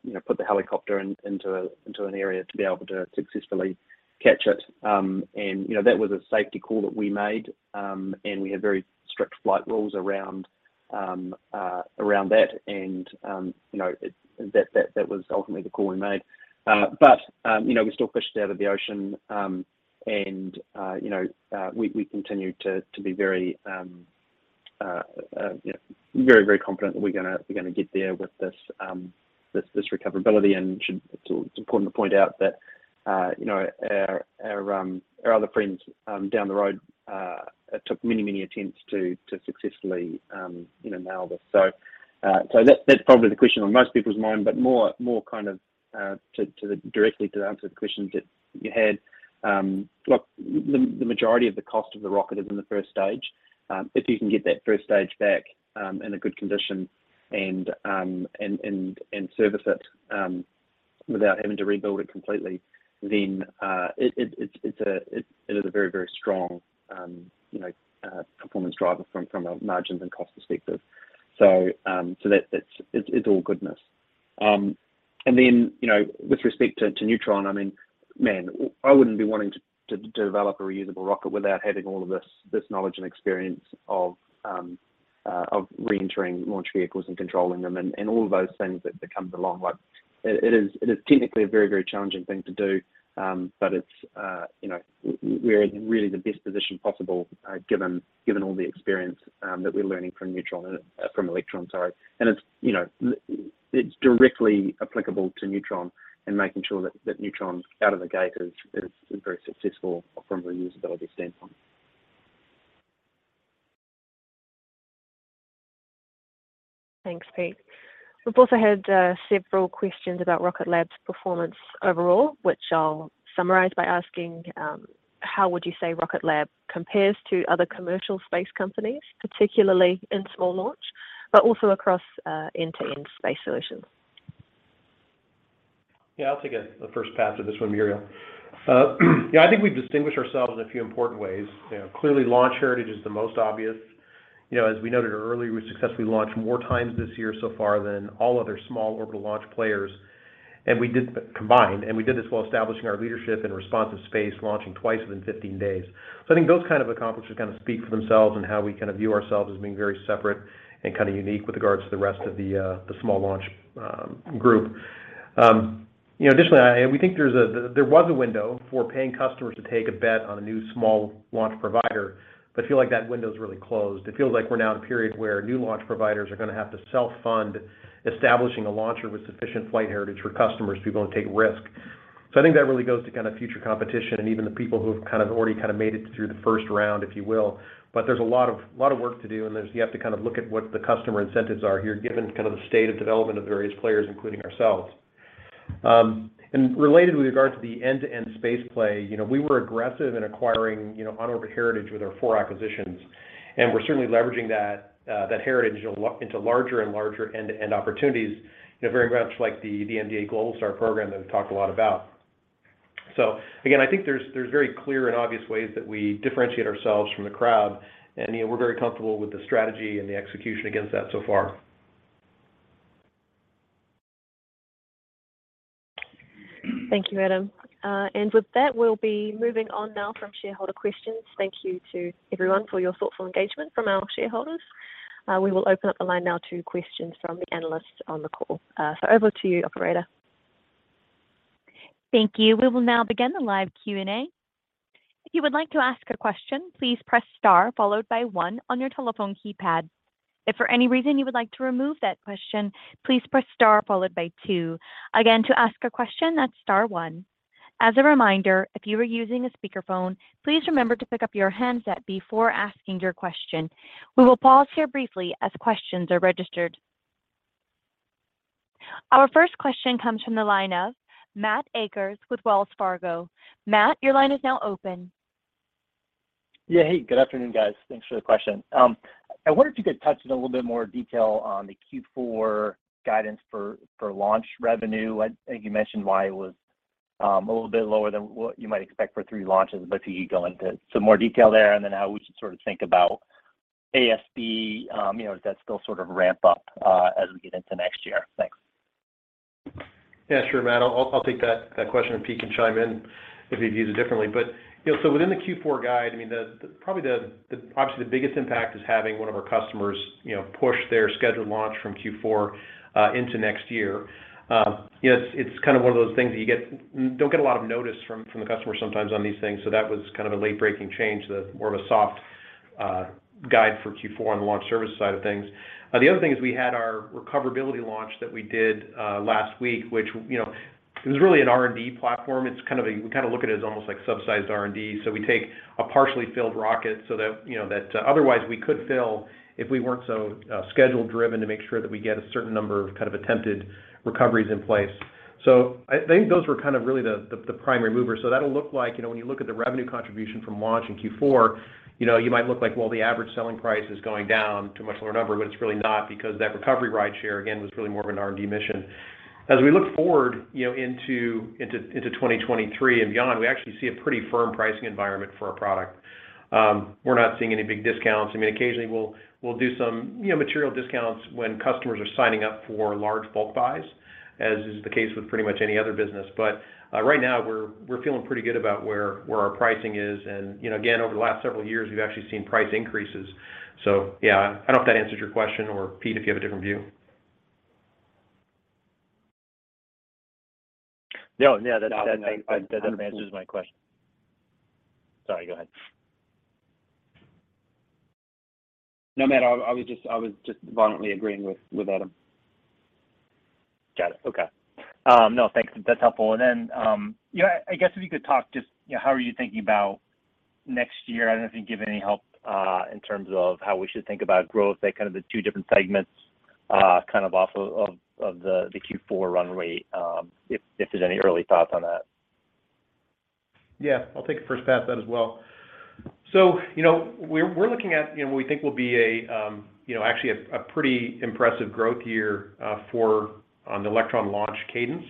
you know, put the helicopter into an area to be able to successfully catch it. You know, that was a safety call that we made. We have very strict flight rules around that and, you know, that was ultimately the call we made. You know, we still fished it out of the ocean. You know, we continue to be very, you know, very, very confident that we're gonna get there with this recoverability. It's important to point out that, you know, our other friends down the road took many attempts to successfully nail this. That's probably the question on most people's mind, but more kind of directly to answer the questions that you had. The majority of the cost of the rocket is in the first stage. If you can get that first stage back in a good condition and service it without having to rebuild it completely, then it is a very strong performance driver from a margins and cost perspective. That's all goodness. You know, with respect to Neutron, I mean, man, I wouldn't be wanting to develop a reusable rocket without having all of this knowledge and experience of re-entering launch vehicles and controlling them and all of those things that comes along. Like, it is technically a very, very challenging thing to do. but it's, you know, we're in really the best position possible, given all the experience that we're learning from Neutron and from Electron, sorry. It's directly applicable to Neutron and making sure that Neutron out of the gate is very successful from a reusability standpoint. Thanks, Pete. We've also had several questions about Rocket Lab's performance overall, which I'll summarize by asking, how would you say Rocket Lab compares to other commercial space companies, particularly in small launch, but also across end-to-end space solutions? Yeah, I'll take a first pass at this one, Murielle. Yeah, I think we've distinguished ourselves in a few important ways. You know, clearly, launch heritage is the most obvious. You know, as we noted earlier, we successfully launched more times this year so far than all other small orbital launch players combined, and we did this while establishing our leadership in Responsive Space, launching twice within 15 days. I think those kind of accomplishments kind of speak for themselves and how we kind of view ourselves as being very separate and kind of unique with regards to the rest of the small launch group. You know, additionally, we think there was a window for paying customers to take a bet on a new small launch provider, but I feel like that window's really closed. It feels like we're now in a period where new launch providers are gonna have to self-fund establishing a launcher with sufficient flight heritage for customers to be able to take risk. I think that really goes to kind of future competition and even the people who have kind of already kind of made it through the first round, if you will. There's a lot of work to do, and you have to kind of look at what the customer incentives are here, given kind of the state of development of various players, including ourselves. Related with regard to the end-to-end space play, you know, we were aggressive in acquiring, you know, on-orbit heritage with our four acquisitions, and we're certainly leveraging that that heritage into into larger and larger end-to-end opportunities, you know, very much like the the MDA Globalstar program that we've talked a lot about. Again, I think there's very clear and obvious ways that we differentiate ourselves from the crowd, and, you know, we're very comfortable with the strategy and the execution against that so far. Thank you, Adam. With that, we'll be moving on now from shareholder questions. Thank you to everyone for your thoughtful engagement from our shareholders. We will open up the line now to questions from the analysts on the call. Over to you, operator. Thank you. We will now begin the live Q&A. If you would like to ask a question, please press star followed by one on your telephone keypad. If for any reason you would like to remove that question, please press star followed by two. Again, to ask a question, that's star one. As a reminder, if you are using a speakerphone, please remember to pick up your handset before asking your question. We will pause here briefly as questions are registered. Our first question comes from the line of Matt Akers with Wells Fargo. Matt, your line is now open. Yeah. Hey, good afternoon, guys. Thanks for the question. I wonder if you could touch on a little bit more detail on the Q4 guidance for launch revenue. I think you mentioned why it was a little bit lower than what you might expect for three launches, but if you could go into some more detail there and then how we should sort of think about ASP, you know, does that still sort of ramp up as we get into next year? Thanks. Yeah, sure, Matt. I'll take that question, and Peter can chime in if he'd view it differently. Within the Q4 guide, obviously, the biggest impact is having one of our customers, you know, push their scheduled launch from Q4 into next year. You know, it's kind of one of those things that you don't get a lot of notice from the customer sometimes on these things, so that was kind of a late-breaking change that's more of a soft guide for Q4 on the Launch Services side of things. The other thing is we had our recovery launch that we did last week, which, you know, it was really an R&D platform. We kind of look at it as almost like sub-scale R&D. We take a partially filled rocket so that, you know, that otherwise we could fill if we weren't so schedule-driven to make sure that we get a certain number of kind of attempted recoveries in place. I think those were kind of really the primary movers. That'll look like, you know, when you look at the revenue contribution from launch in Q4, you know, you might look like, well, the average selling price is going down to a much lower number, but it's really not because that recovery rideshare again was really more of an R&D mission. As we look forward, you know, into 2023 and beyond, we actually see a pretty firm pricing environment for our product. We're not seeing any big discounts. I mean, occasionally we'll do some, you know, material discounts when customers are signing up for large bulk buys, as is the case with pretty much any other business. But right now we're feeling pretty good about where our pricing is, and you know, again, over the last several years, we've actually seen price increases. Yeah. I don't know if that answers your question or, Pete, if you have a different view. No, that. No, I. That answers my question. Sorry, go ahead. No, Matt, I was just violently agreeing with Adam. Got it. Okay. No, thanks. That's helpful. Then, you know, I guess if you could talk just, you know, how are you thinking about next year? I don't know if you can give any help in terms of how we should think about growth at kind of the two different segments, kind of off of the Q4 runway, if there's any early thoughts on that. Yeah. I'll take a first pass at that as well. You know, we're looking at what we think will be actually a pretty impressive growth year for on the Electron launch cadence.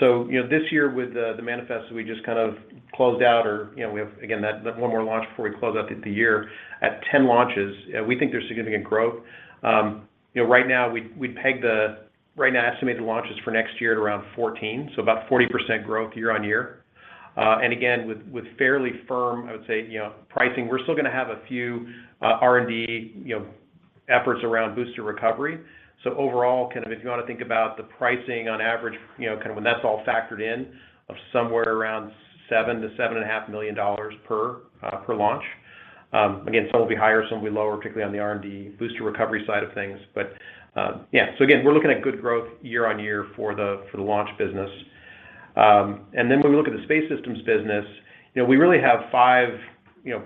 You know, this year with the manifest that we just kind of closed out or, you know, we have again that one more launch before we close out the year at 10 launches, we think there's significant growth. You know, we'd peg the estimated launches for next year at around 14, so about 40% growth year-on-year. Again, with fairly firm, I would say, you know, pricing. We're still gonna have a few R&D efforts around booster recovery. Overall, kind of if you wanna think about the pricing on average, you know, kind of when that's all factored in of somewhere around $7 million-$7.5 million per launch. Again, some will be higher, some will be lower, particularly on the R&D booster recovery side of things. Yeah. Again, we're looking at good growth year-over-year for the launch business. When we look at the space systems business, you know, we really have five, you know,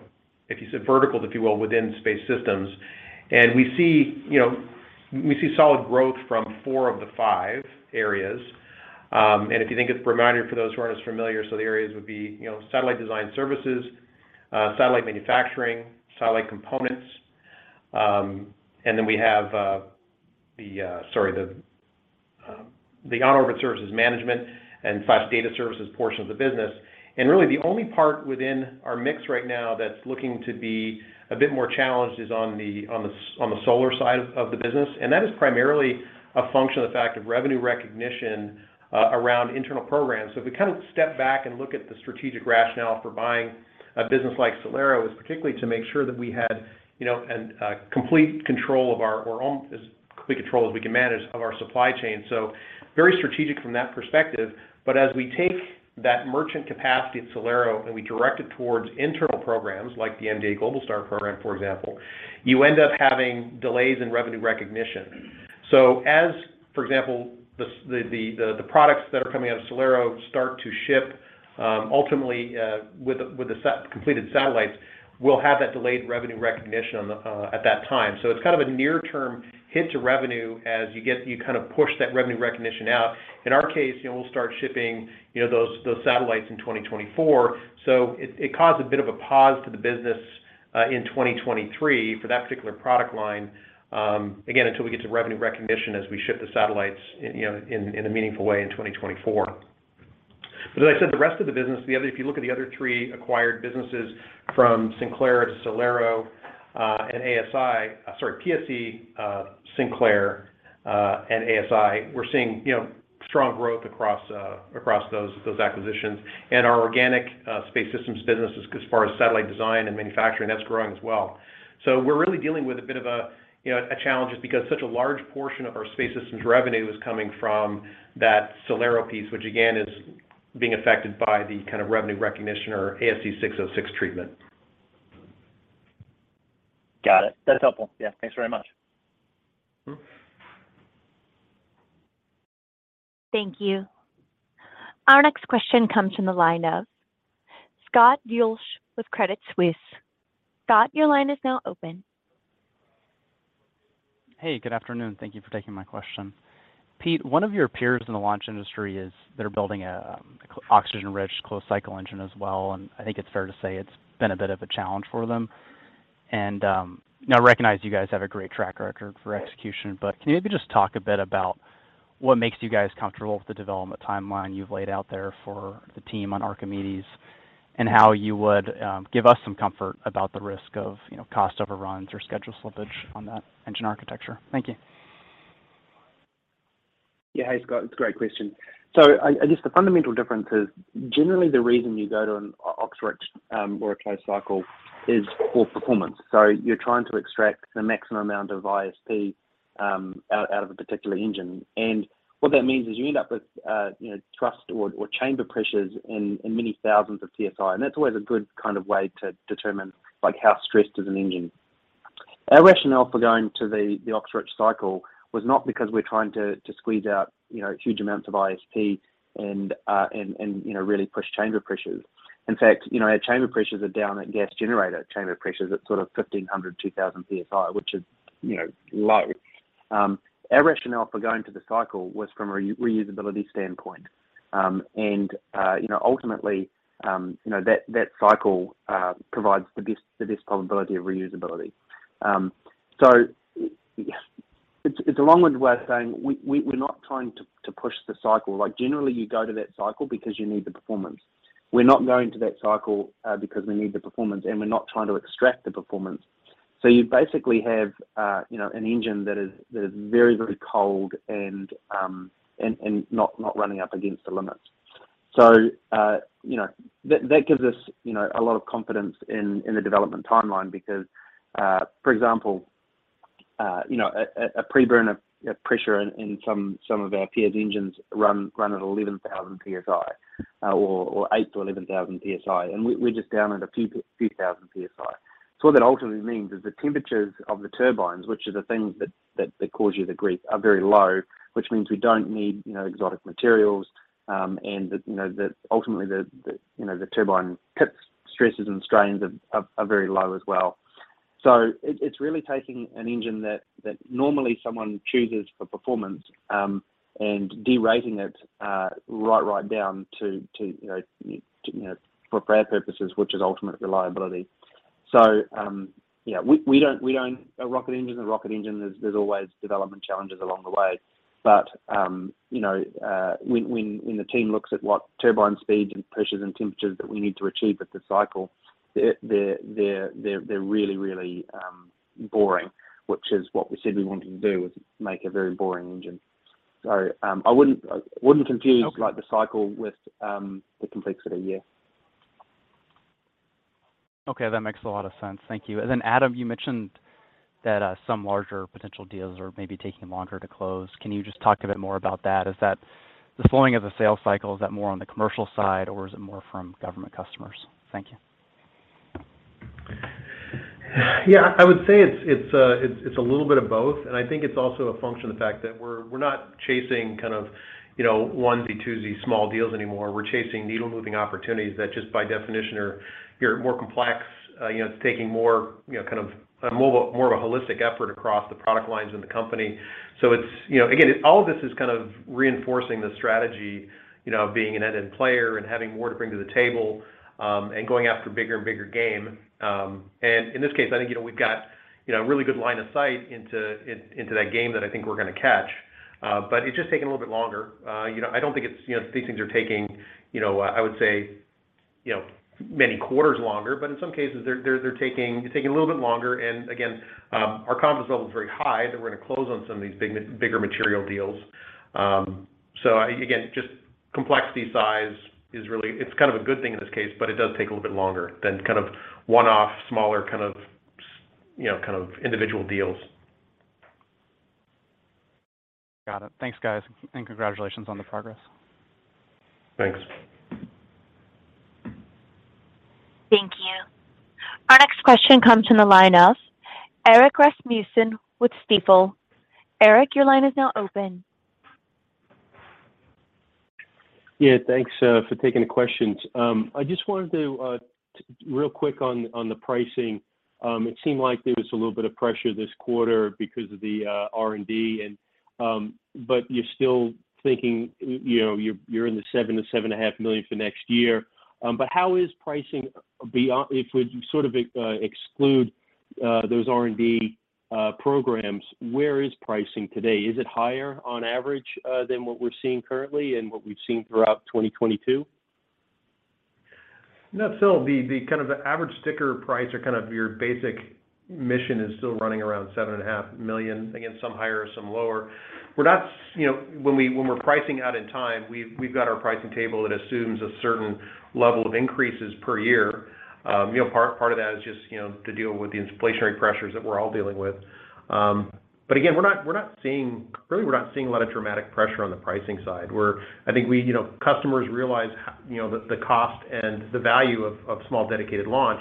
if you said verticals, if you will, within space systems. We see, you know, solid growth from four of the five areas. If you think it's a reminder for those who aren't as familiar, the areas would be, you know, satellite design services, satellite manufacturing, satellite components. We have the on-orbit services management and data services portion of the business. Really the only part within our mix right now that's looking to be a bit more challenged is on the solar side of the business. That is primarily a function of the fact that revenue recognition around internal programs. If we kind of step back and look at the strategic rationale for buying a business like SolAero is particularly to make sure that we had, you know, as complete control as we can manage of our supply chain. Very strategic from that perspective. As we take that merchant capacity at SolAero, and we direct it towards internal programs like the MDA Globalstar program, for example, you end up having delays in revenue recognition. As, for example, the products that are coming out of SolAero start to ship, ultimately, with the completed satellites, we'll have that delayed revenue recognition on the at that time. It's kind of a near-term hit to revenue as you get, you kind of push that revenue recognition out. In our case, you know, we'll start shipping, you know, those satellites in 2024. It caused a bit of a pause to the business in 2023 for that particular product line, again, until we get to revenue recognition as we ship the satellites in, you know, in a meaningful way in 2024. As I said, the rest of the business, if you look at the other three acquired businesses from Sinclair to SolAero, PSC, and ASI, we're seeing, you know, strong growth across those acquisitions. Our organic Space Systems business as far as satellite design and manufacturing, that's growing as well. We're really dealing with a bit of a, you know, a challenge just because such a large portion of our Space Systems revenue is coming from that SolAero piece, which again, is being affected by the kind of revenue recognition or ASC 606 treatment. Got it. That's helpful. Yeah. Thanks very much. Thank you. Our next question comes from the line of Scott Deuschle with Credit Suisse. Scott, your line is now open. Hey, good afternoon. Thank you for taking my question. Peter, one of your peers in the launch industry is. They're building a oxygen-rich closed cycle engine as well, and I think it's fair to say it's been a bit of a challenge for them. Now I recognize you guys have a great track record for execution. Right. Can you maybe just talk a bit about what makes you guys comfortable with the development timeline you've laid out there for the team on Archimedes, and how you would give us some comfort about the risk of, you know, cost overruns or schedule slippage on that engine architecture? Thank you. Yeah. Hey, Scott. It's a great question. I guess the fundamental difference is generally the reason you go to an ox-rich or a closed cycle is for performance. You're trying to extract the maximum amount of ISP out of a particular engine. What that means is you end up with, you know, thrust or chamber pressures in many thousands of PSI, and that's always a good kind of way to determine like how stressed is an engine. Our rationale for going to the ox-rich cycle was not because we're trying to squeeze out, you know, huge amounts of ISP and, you know, really push chamber pressures. In fact, you know, our chamber pressures are down at gas generator chamber pressures at sort of 1,500, 2,000 PSI, which is, you know, low. Our rationale for going to the cycle was from a reusability standpoint. You know, ultimately, you know, that cycle provides the best probability of reusability. It's a long-winded way of saying we're not trying to push the cycle. Like generally you go to that cycle because you need the performance. We're not going to that cycle because we need the performance, and we're not trying to extract the performance. You basically have, you know, an engine that is very cold and not running up against the limits. That gives us a lot of confidence in the development timeline because, for example, you know, a pre-burner pressure in some of our peers' engines run at 11,000 PSI, or 8,000-11,000 PSI, and we're just down at a few thousand PSI. What that ultimately means is the temperatures of the turbines, which are the things that cause you the grief, are very low, which means we don't need you know, exotic materials. Ultimately the turbine tips, stresses, and strains are very low as well. It's really taking an engine that normally someone chooses for performance and de-rating it right down to you know for power purposes, which is ultimately reliability. We don't. A rocket engine is a rocket engine. There's always development challenges along the way. When the team looks at what turbine speeds and pressures and temperatures that we need to achieve at the cycle, they're really boring, which is what we said we wanted to do was make a very boring engine. I wouldn't confuse like the cycle with the complexity. Yeah. Okay. That makes a lot of sense. Thank you. Adam, you mentioned that some larger potential deals are maybe taking longer to close. Can you just talk a bit more about that? Is that the slowing of the sales cycle, is that more on the commercial side, or is it more from government customers? Thank you. Yeah. I would say it's a little bit of both. I think it's also a function of the fact that we're not chasing kind of, you know, onesie, twosie small deals anymore. We're chasing needle-moving opportunities that just by definition are more complex. You know, it's taking more, you know, kind of a more holistic effort across the product lines in the company. It's, you know, again, all of this is kind of reinforcing the strategy, you know, of being an end-to-end player and having more to bring to the table, and going after bigger and bigger game. In this case, I think, you know, we've got, you know, a really good line of sight into into that game that I think we're gonna catch. It's just taking a little bit longer. You know, I don't think it's, you know, these things are taking, you know, I would say, you know, many quarters longer. In some cases they're taking a little bit longer. Again, our confidence level is very high that we're gonna close on some of these bigger material deals. Again, just complexity size is really. It's kind of a good thing in this case, but it does take a little bit longer than kind of one-off, smaller kind of you know, kind of individual deals. Got it. Thanks guys. Congratulations on the progress. Thanks. Thank you. Our next question comes from the line of Erik Rasmussen with Stifel. Erik, your line is now open. Yeah, thanks for taking the questions. I just wanted to real quick on the pricing. It seemed like there was a little bit of pressure this quarter because of the R&D, but you're still thinking, you know, you're in the $7 million-$7.5 million for next year. How is pricing beyond if we sort of exclude those R&D programs? Where is pricing today? Is it higher on average than what we're seeing currently and what we've seen throughout 2022? No, still the kind of the average sticker price or kind of your basic mission is still running around $7.5 million. Again, some higher, some lower. We're not, you know, when we're pricing out in time, we've got our pricing table that assumes a certain level of increases per year. You know, part of that is just, you know, to deal with the inflationary pressures that we're all dealing with. Again, we're not really seeing a lot of dramatic pressure on the pricing side. I think we, you know, customers realize, you know, the cost and the value of small dedicated launch,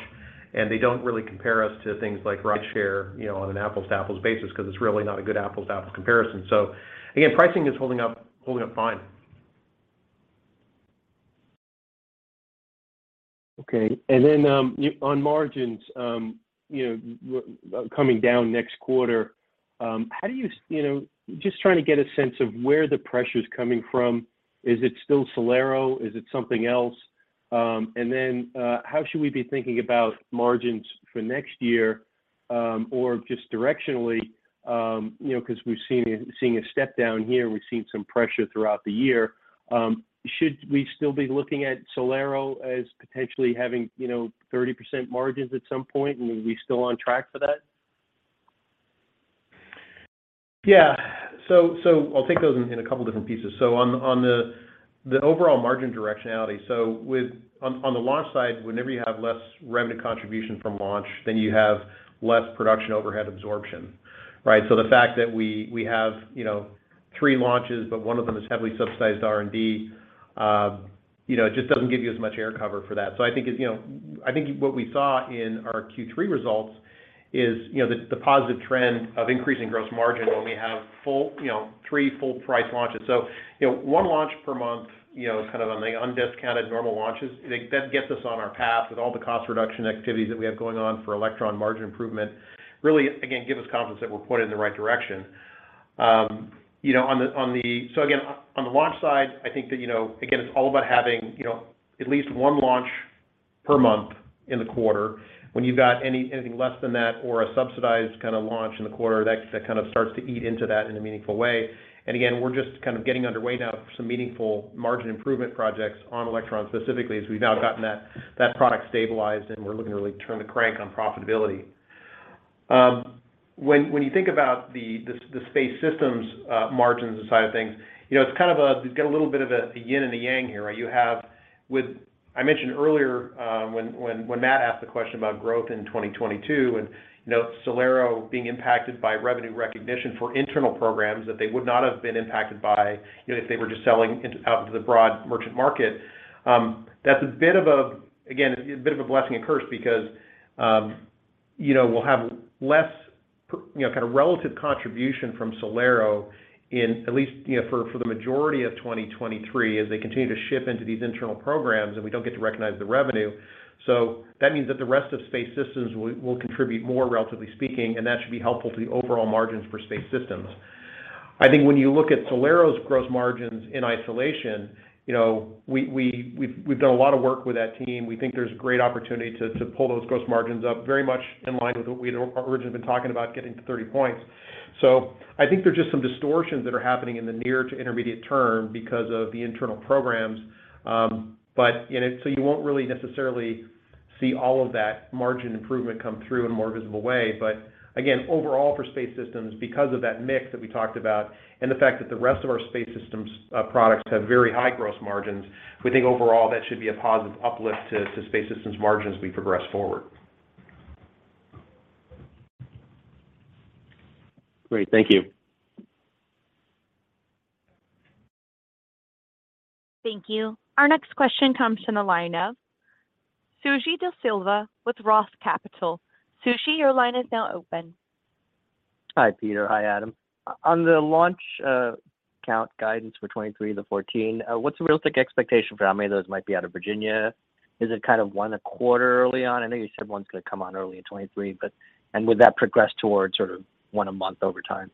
and they don't really compare us to things like Rideshare, you know, on an apples-to-apples basis because it's really not a good apples-to-apples comparison. Again, pricing is holding up fine. Okay. On margins, you know, coming down next quarter, how do you know, just trying to get a sense of where the pressure's coming from. Is it still SolAero? Is it something else? How should we be thinking about margins for next year, or just directionally, you know, because we've seen a step down here and we've seen some pressure throughout the year. Should we still be looking at SolAero as potentially having, you know, 30% margins at some point, and are we still on track for that? Yeah. I'll take those in a couple different pieces. On the overall margin directionality. With on the launch side, whenever you have less revenue contribution from launch, then you have less production overhead absorption, right? The fact that we have, you know, three launches but one of them is heavily subsidized R&D, you know, it just doesn't give you as much air cover for that. I think, you know, what we saw in our Q3 results is, you know, the positive trend of increasing gross margin when we have full, you know, three full price launches. You know, one launch per month, you know, is kind of on the undiscounted normal launches. That gets us on our path with all the cost reduction activities that we have going on for Electron margin improvement. Really, again, give us confidence that we're pointed in the right direction. You know, on the launch side, I think that, you know, again, it's all about having, you know, at least one launch per month in the quarter. When you've got anything less than that or a subsidized kind of launch in the quarter, that kind of starts to eat into that in a meaningful way. We're just kind of getting underway now for some meaningful margin improvement projects on Electron specifically, as we've now gotten that product stabilized and we're looking to really turn the crank on profitability. When you think about the Space Systems margins and side of things, you know, it's kind of a yin and yang here. You have with... I mentioned earlier, when Matt asked the question about growth in 2022 and, you know, SolAero being impacted by revenue recognition for internal programs that they would not have been impacted by, you know, if they were just selling out into the broad merchant market. That's a bit of a, again, a bit of a blessing and curse because, you know, we'll have less, you know, kind of relative contribution from SolAero in at least, you know, for the majority of 2023 as they continue to ship into these internal programs and we don't get to recognize the revenue. That means that the rest of Space Systems will contribute more, relatively speaking, and that should be helpful to the overall margins for Space Systems. I think when you look at SolAero's gross margins in isolation, you know, we've done a lot of work with that team. We think there's great opportunity to pull those gross margins up very much in line with what we'd originally been talking about getting to 30%. I think there's just some distortions that are happening in the near- to intermediate-term because of the internal programs. You know, you won't really necessarily see all of that margin improvement come through in a more visible way. Again, overall for Space Systems, because of that mix that we talked about and the fact that the rest of our Space Systems products have very high gross margins, we think overall that should be a positive uplift to Space Systems margins as we progress forward. Great. Thank you. Thank you. Our next question comes from the line of Suji Desilva with Roth Capital. Suji, your line is now open. Hi, Peter. Hi, Adam. On the launch count guidance for 2023, the 14, what's the realistic expectation for how many of those might be out of Virginia? Is it kind of one a quarter early on? I know you said one's gonna come on early in 2023, but would that progress towards sort of one a month over time?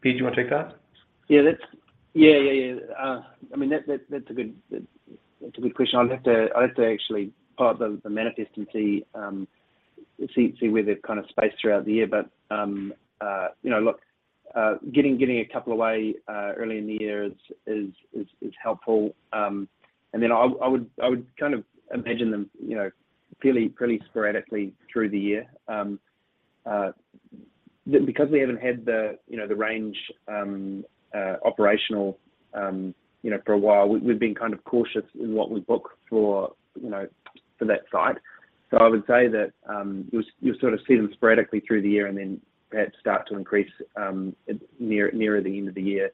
Pete, do you want to take that? I mean, that's a good question. I'd have to actually pull up the manifest and see where they're kind of spaced throughout the year. You know, look, getting a couple away early in the year is helpful. I would kind of imagine them, you know, fairly sporadically through the year. Because we haven't had the range operational, you know, for a while, we've been kind of cautious in what we book for, you know, for that site. I would say that you'll sort of see them sporadically through the year and then perhaps start to increase nearer the end of the year.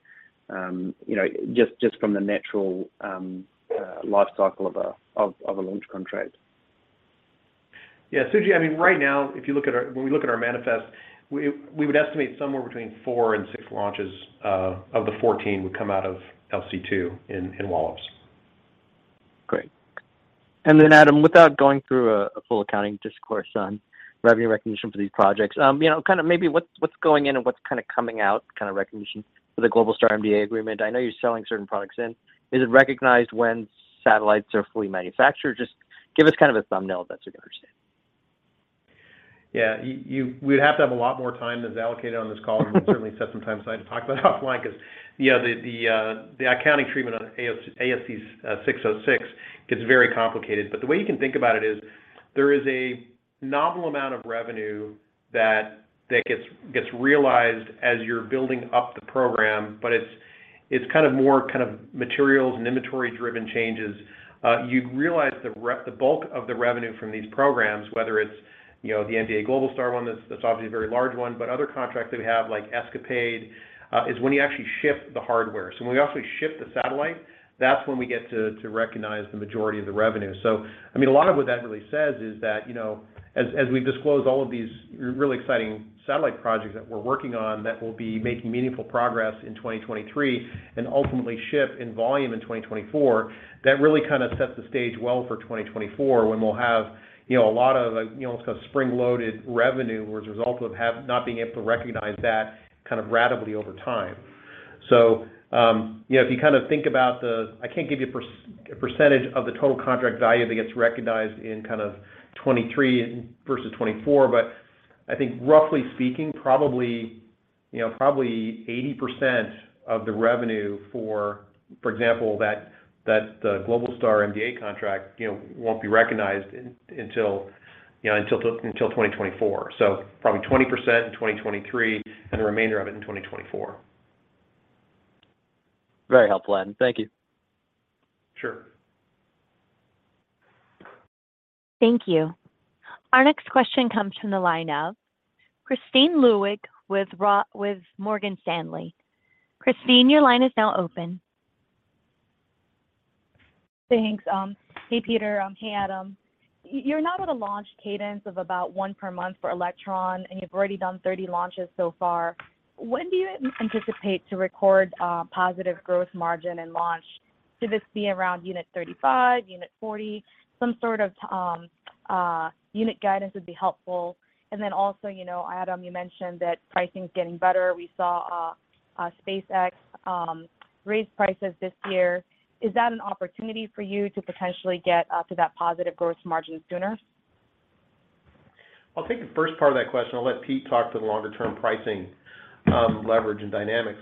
You know, just from the natural life cycle of a launch contract. Suji, I mean, right now, when we look at our manifest, we would estimate somewhere between four and six launches of the 14 would come out of LC-2 in Wallops. Great. Then Adam, without going through a full accounting discourse on revenue recognition for these projects, you know, kind of maybe what's going in and what's kind of coming out, kind of recognition for the Globalstar MDA agreement. I know you're selling certain products in. Is it recognized when satellites are fully manufactured? Just give us kind of a thumbnail the best you can understand. Yeah. You'd have to have a lot more time than is allocated on this call. We can certainly set some time aside to talk about it offline because the accounting treatment on ASC 606 gets very complicated. The way you can think about it is there is a notable amount of revenue that gets realized as you're building up the program, but it's kind of more materials and inventory-driven changes. You realize the bulk of the revenue from these programs, whether it's, you know, the MDA Globalstar one, that's obviously a very large one, but other contracts that we have, like ESCAPADE, is when you actually ship the hardware. When we actually ship the satellite, that's when we get to recognize the majority of the revenue. I mean, a lot of what that really says is that, you know, as we disclose all of these really exciting satellite projects that we're working on that will be making meaningful progress in 2023 and ultimately ship in volume in 2024, that really kind of sets the stage well for 2024 when we'll have, you know, a lot of, you know, sort of spring-loaded revenue as a result of not being able to recognize that kind of ratably over time. You know, if you kind of think about the I can't give you a percentage of the total contract value that gets recognized in kind of 2023 versus 2024, but I think roughly speaking, probably, you know, probably 80% of the revenue, for example, that Globalstar MDA contract, you know, won't be recognized until, you know, until 2024. Probably 20% in 2023 and the remainder of it in 2024. Very helpful, Adam. Thank you. Sure. Thank you. Our next question comes from the line of Kristine Liwag with Morgan Stanley. Kristine, your line is now open. Thanks. Hey, Peter. Hey, Adam. You're now at a launch cadence of about one per month for Electron, and you've already done 30 launches so far. When do you anticipate to record positive gross margin in launch? Should this be around unit 35, unit 40? Some sort of unit guidance would be helpful. You know, Adam, you mentioned that pricing's getting better. We saw SpaceX raise prices this year. Is that an opportunity for you to potentially get to that positive gross margin sooner? I'll take the first part of that question. I'll let Pete talk to the longer-term pricing, leverage and dynamics.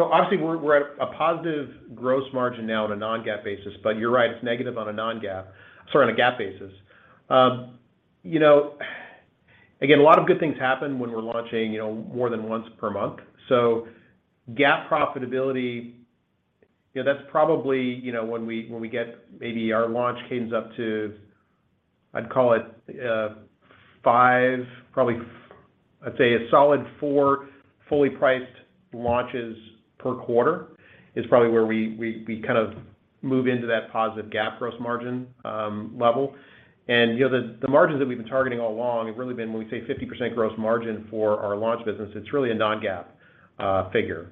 Obviously we're at a positive gross margin now on a non-GAAP basis, but you're right, it's negative on a GAAP basis. You know, again, a lot of good things happen when we're launching, you know, more than once per month. GAAP profitability, you know, that's probably, you know, when we get maybe our launch cadence up to, I'd call it five, probably, I'd say a solid four fully priced launches per quarter is probably where we kind of move into that positive GAAP gross margin level. You know, the margins that we've been targeting all along have really been, when we say 50% gross margin for our launch business, it's really a non-GAAP figure.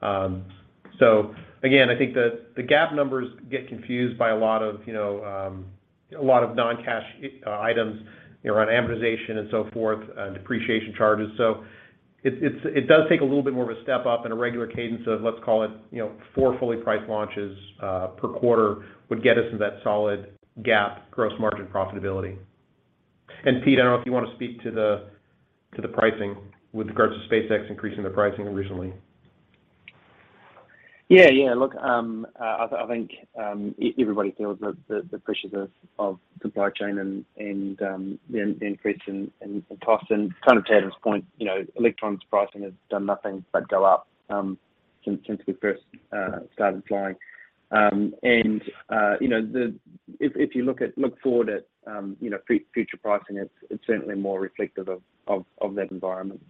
So again, I think the GAAP numbers get confused by a lot of, you know, a lot of non-cash items, you know, around amortization and so forth, depreciation charges. It does take a little bit more of a step up and a regular cadence of, let's call it, you know, four fully priced launches per quarter would get us into that solid GAAP gross margin profitability. Pete, I don't know if you want to speak to the pricing with regards to SpaceX increasing their pricing recently. Yeah, yeah. Look, I think everybody feels the pressures of supply chain and the increase in cost. Kind of to Adam's point, you know, Electron's pricing has done nothing but go up since we first started flying. You know, if you look forward at, you know, future pricing, it's certainly more reflective of that environment.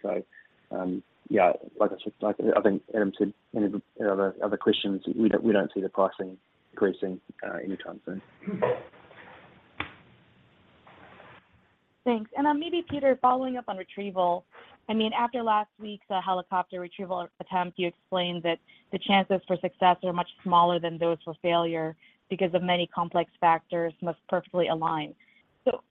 Yeah, like I said, like I think Adam said in other questions, we don't see the pricing increasing anytime soon. Thanks. Maybe Peter, following up on retrieval, I mean, after last week's helicopter retrieval attempt, you explained that the chances for success are much smaller than those for failure because of many complex factors must perfectly align.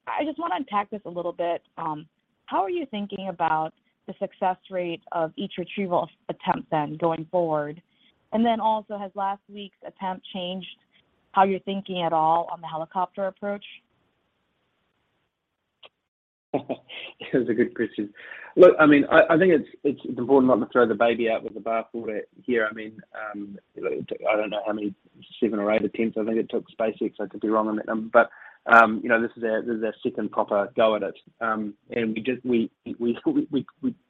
I just wanna unpack this a little bit. How are you thinking about the success rate of each retrieval attempt then going forward? Has last week's attempt changed how you're thinking at all on the helicopter approach? That's a good question. Look, I mean, I think it's important not to throw the baby out with the bathwater here. I mean, I don't know how many, seven or eight attempts I think it took SpaceX. I could be wrong on that number. You know, this is their second proper go at it. We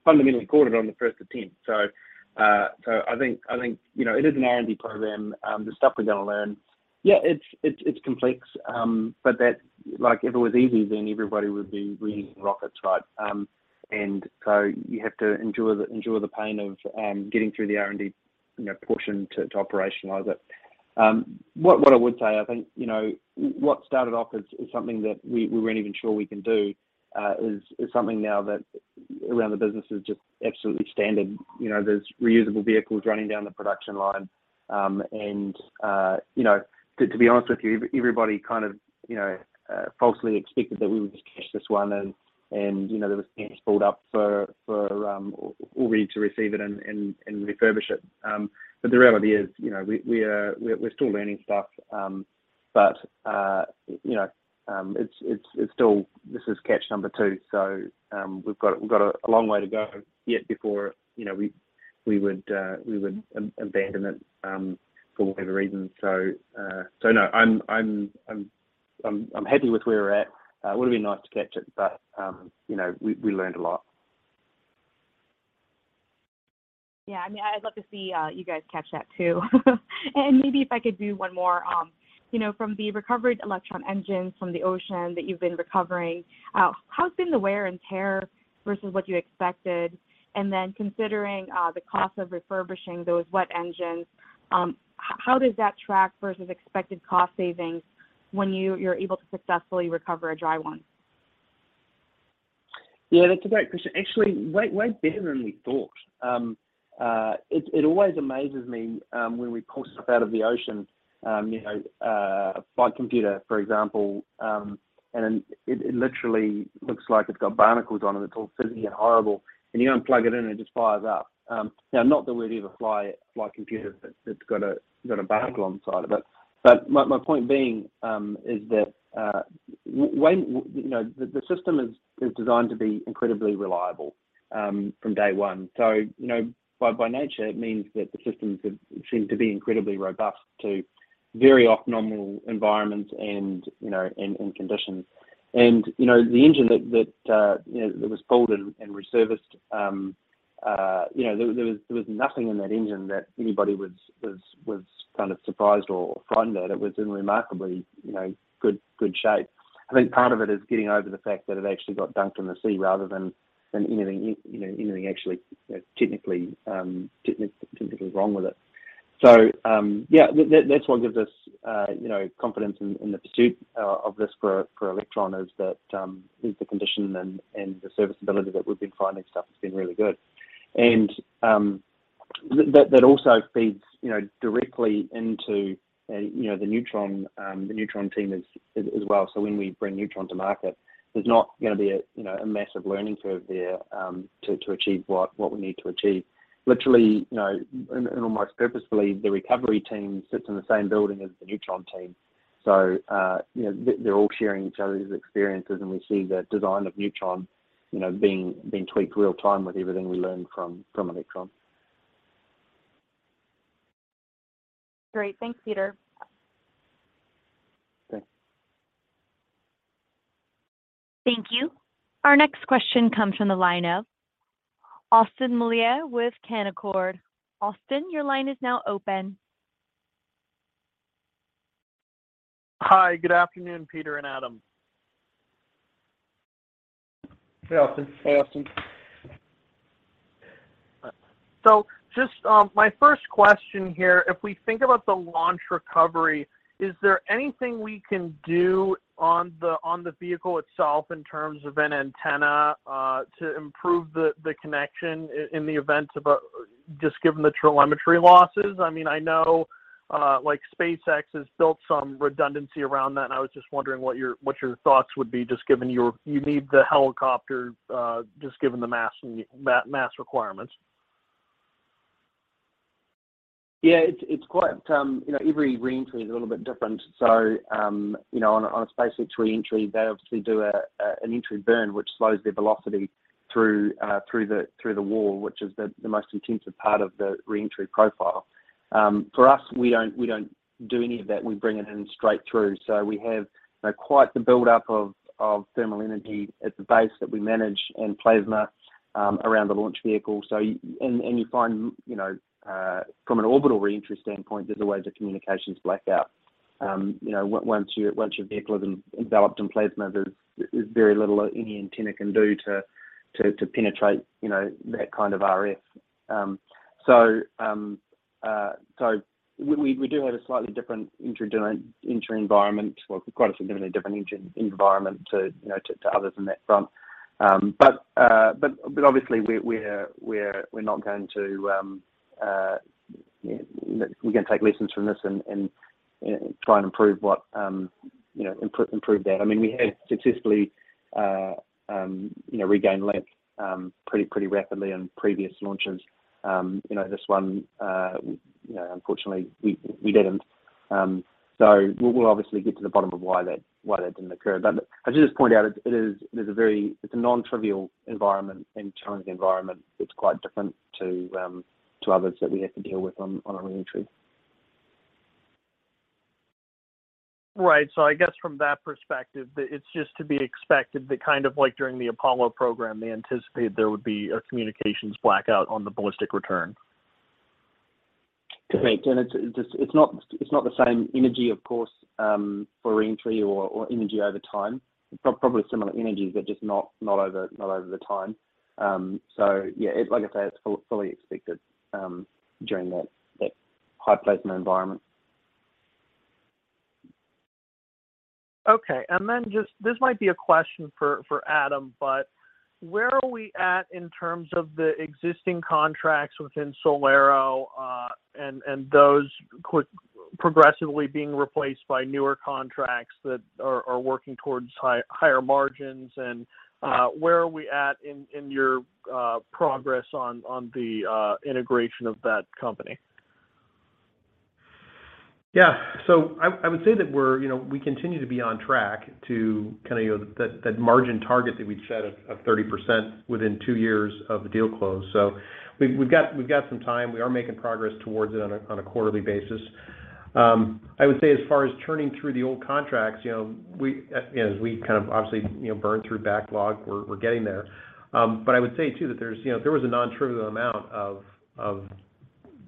fundamentally caught it on the first attempt. I think, you know, it is an R&D program. There's stuff we're gonna learn. Yeah, it's complex. That's like, if it was easy, then everybody would be building rockets, right? You have to endure the pain of getting through the R&D, you know, portion to operationalize it. What I would say, I think, you know, what started off as something that we weren't even sure we can do is something now that around the business is just absolutely standard. You know, there's reusable vehicles running down the production line. To be honest with you, everybody kind of, you know, falsely expected that we would just catch this one and, you know, there was camps pulled up for all ready to receive it and refurbish it. The reality is, you know, we're still learning stuff. You know, it's still. This is catch number two. We've got a long way to go yet before, you know, we would abandon it for whatever reason. No. I'm happy with where we're at. Would've been nice to catch it, but you know, we learned a lot. Yeah. I mean, I'd love to see you guys catch that too. Maybe if I could do one more. You know, from the recovered Electron engines from the ocean that you've been recovering, how's been the wear and tear versus what you expected? And then considering the cost of refurbishing those wet engines, how does that track versus expected cost savings when you're able to successfully recover a dry one? Yeah, that's a great question. Actually, way better than we thought. It always amazes me when we pull stuff out of the ocean, you know, a flight computer, for example, and it literally looks like it's got barnacles on it. It's all fuzzy and horrible. You plug it in and it just fires up. You know, not that we'd ever fly a computer that's got a barnacle on the side of it. My point being is that, you know, the system is designed to be incredibly reliable from day one. You know, by nature, it means that the systems have seemed to be incredibly robust to very off-nominal environments and conditions. You know, the engine that was pulled and re-serviced, you know, there was nothing in that engine that anybody was kind of surprised or frightened at. It was in remarkably, you know, good shape. I think part of it is getting over the fact that it actually got dunked in the sea rather than anything, you know, anything actually, you know, technically wrong with it. Yeah. That's what gives us, you know, confidence in the pursuit of this for Electron is that the condition and the serviceability that we've been finding stuff has been really good. That also feeds, you know, directly into, you know, the Neutron. The Neutron team is as well. When we bring Neutron to market, there's not gonna be a, you know, a massive learning curve there, to achieve what we need to achieve. Literally, you know, almost purposefully, the recovery team sits in the same building as the Neutron team. You know, they're all sharing each other's experiences, and we see the design of Neutron, you know, being tweaked real time with everything we learn from Electron. Great. Thanks, Peter. Thanks. Thank you. Our next question comes from the line of Austin Moeller with Canaccord. Austin, your line is now open. Hi. Good afternoon, Peter and Adam. Hey, Austin. Hey, Austin. Just my first question here, if we think about the launch recovery, is there anything we can do on the vehicle itself in terms of an antenna to improve the connection in the event of, just given the telemetry losses? I mean, I know like SpaceX has built some redundancy around that, and I was just wondering what your thoughts would be just given your, you need the helicopter, just given the mass and the mass requirements. Yeah. It's quite. You know, every re-entry is a little bit different. So, you know, on a SpaceX re-entry, they obviously do a an entry burn, which slows their velocity through the wall, which is the most intensive part of the re-entry profile. For us, we don't do any of that. We bring it in straight through. So we have quite the buildup of thermal energy at the base that we manage and plasma around the launch vehicle. So you find, you know, from an orbital re-entry standpoint, there's always a communications blackout. You know, once your vehicle is enveloped in plasma, there's very little any antenna can do to penetrate that kind of RF. We do have a slightly different entry environment or quite a significantly different environment to, you know, to others in that front. Obviously, we're not going to, you know, we're gonna take lessons from this and try and improve what, you know, improve that. I mean, we had historically regain length pretty rapidly on previous launches. You know, this one, unfortunately, we didn't. We'll obviously get to the bottom of why that didn't occur. I'll just point out it is a very non-trivial environment and challenging environment that's quite different to, you know, to others that we have to deal with on a re-entry. Right. I guess from that perspective, it's just to be expected that kind of like during the Apollo program, they anticipated there would be a communications blackout on the ballistic return. Correct. It's just not the same energy, of course, for re-entry or energy over time. Probably similar energies, but just not over the time. It's like I say, it's fully expected during that high plasma environment. This might be a question for Adam. Where are we at in terms of the existing contracts within SolAero, and those progressively being replaced by newer contracts that are working towards higher margins? Where are we at in your progress on the integration of that company? I would say that we continue to be on track to kinda, you know, that margin target that we'd set of 30% within 2 years of the deal close. We've got some time. We are making progress towards it on a quarterly basis. I would say as far as churning through the old contracts, you know, as we kind of obviously, you know, burn through backlog, we're getting there. But I would say too that there's, you know, there was a non-trivial amount of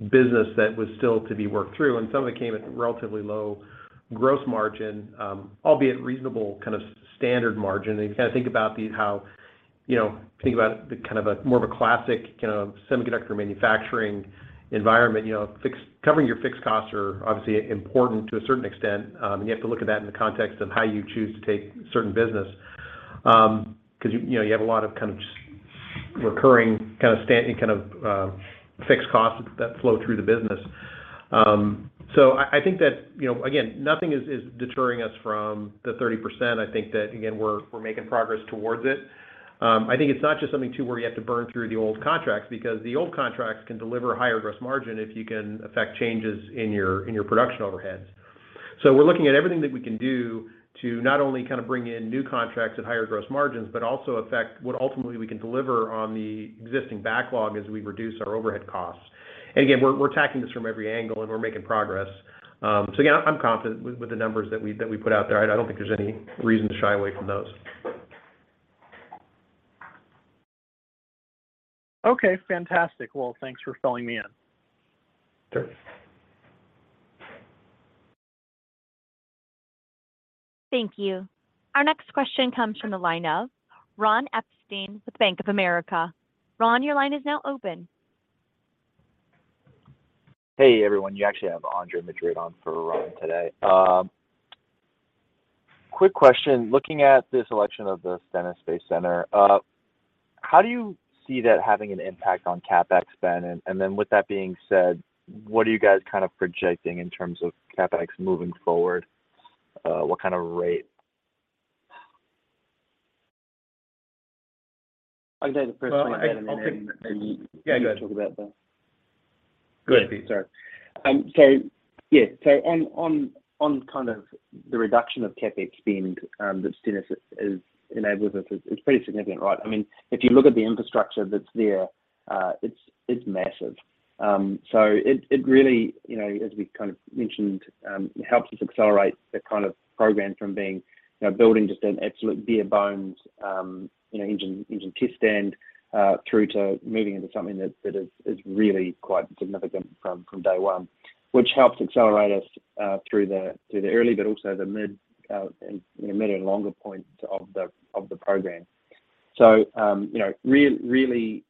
business that was still to be worked through, and some of it came at relatively low gross margin, albeit reasonable kind of standard margin. You kinda think about, you know, think about the kind of a more of a classic, kind of, semiconductor manufacturing environment. You know, covering your fixed costs are obviously important to a certain extent. You have to look at that in the context of how you choose to take certain business. Because you know, you have a lot of, kind of, just recurring, kind of, fixed costs that flow through the business. I think that, you know, again, nothing is deterring us from the 30%. I think that, again, we're making progress towards it. I think it's not just something too where you have to burn through the old contracts because the old contracts can deliver higher gross margin if you can affect changes in your production overheads. We're looking at everything that we can do to not only kind of bring in new contracts at higher gross margins, but also affect what ultimately we can deliver on the existing backlog as we reduce our overhead costs. Again, we're attacking this from every angle, and we're making progress. Again, I'm confident with the numbers that we put out there. I don't think there's any reason to shy away from those. Okay, fantastic. Well, thanks for filling me in. Sure. Thank you. Our next question comes from the line of Ron Epstein with Bank of America. Ron, your line is now open. Hey, everyone. You actually have Andre Madrid on for Ron today. Quick question. Looking at the selection of the Stennis Space Center, how do you see that having an impact on CapEx spend? And then with that being said, what are you guys kind of projecting in terms of CapEx moving forward? What kind of rate? I'll take the first one, Adam. Yeah, go ahead. You talk about the. Go ahead. Sorry. On kind of the reduction of CapEx spend that Stennis has enabled us, it's pretty significant, right? I mean, if you look at the infrastructure that's there, it's massive. It really, you know, as we kind of mentioned, helps us accelerate the kind of program from being, you know, building just an absolute bare bones, you know, engine test stand through to moving into something that is really quite significant from day one, which helps accelerate us through the early but also the mid and longer points of the program. You know, really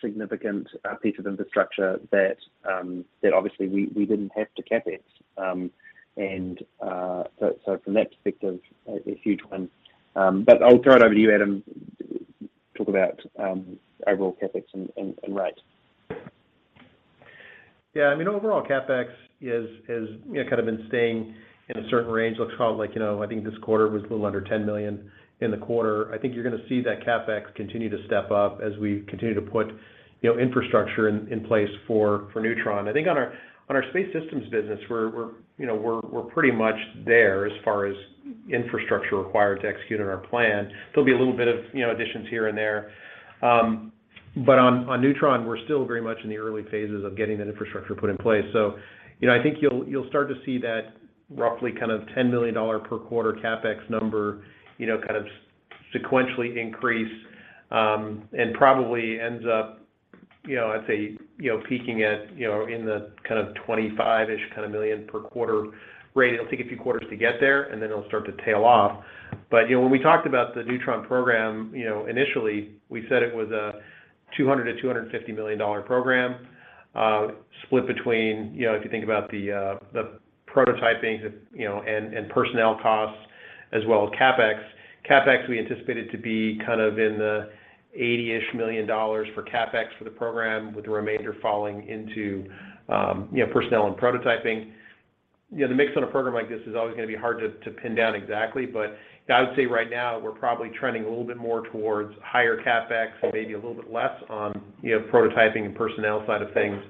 significant piece of infrastructure that obviously we didn't have to CapEx. From that perspective, a huge win. I'll throw it over to you, Adam, to talk about overall CapEx and rate. Yeah. I mean, overall CapEx is you know, kind of been staying in a certain range. Let's call it like, you know, I think this quarter was a little under $10 million in the quarter. I think you're gonna see that CapEx continue to step up as we continue to put you know, infrastructure in place for Neutron. I think on our Space Systems business, we're pretty much there as far as infrastructure required to execute on our plan. There'll be a little bit of you know, additions here and there. On Neutron, we're still very much in the early phases of getting that infrastructure put in place. You know, I think you'll start to see that roughly kind of $10 million per quarter CapEx number, you know, kind of sequentially increase, and probably ends up, you know, I'd say, you know, peaking at, you know, in the kind of $25 million-ish per quarter rate. It'll take a few quarters to get there, and then it'll start to tail off. You know, when we talked about the Neutron program, you know, initially, we said it was a $200 million-$250 million program, split between, you know, if you think about the prototyping and personnel costs as well as CapEx. CapEx we anticipated to be kind of in the $80 million-ish for CapEx for the program, with the remainder falling into, you know, personnel and prototyping. Yeah, the mix on a program like this is always gonna be hard to pin down exactly. I would say right now we're probably trending a little bit more towards higher CapEx and maybe a little bit less on, you know, prototyping and personnel side of things.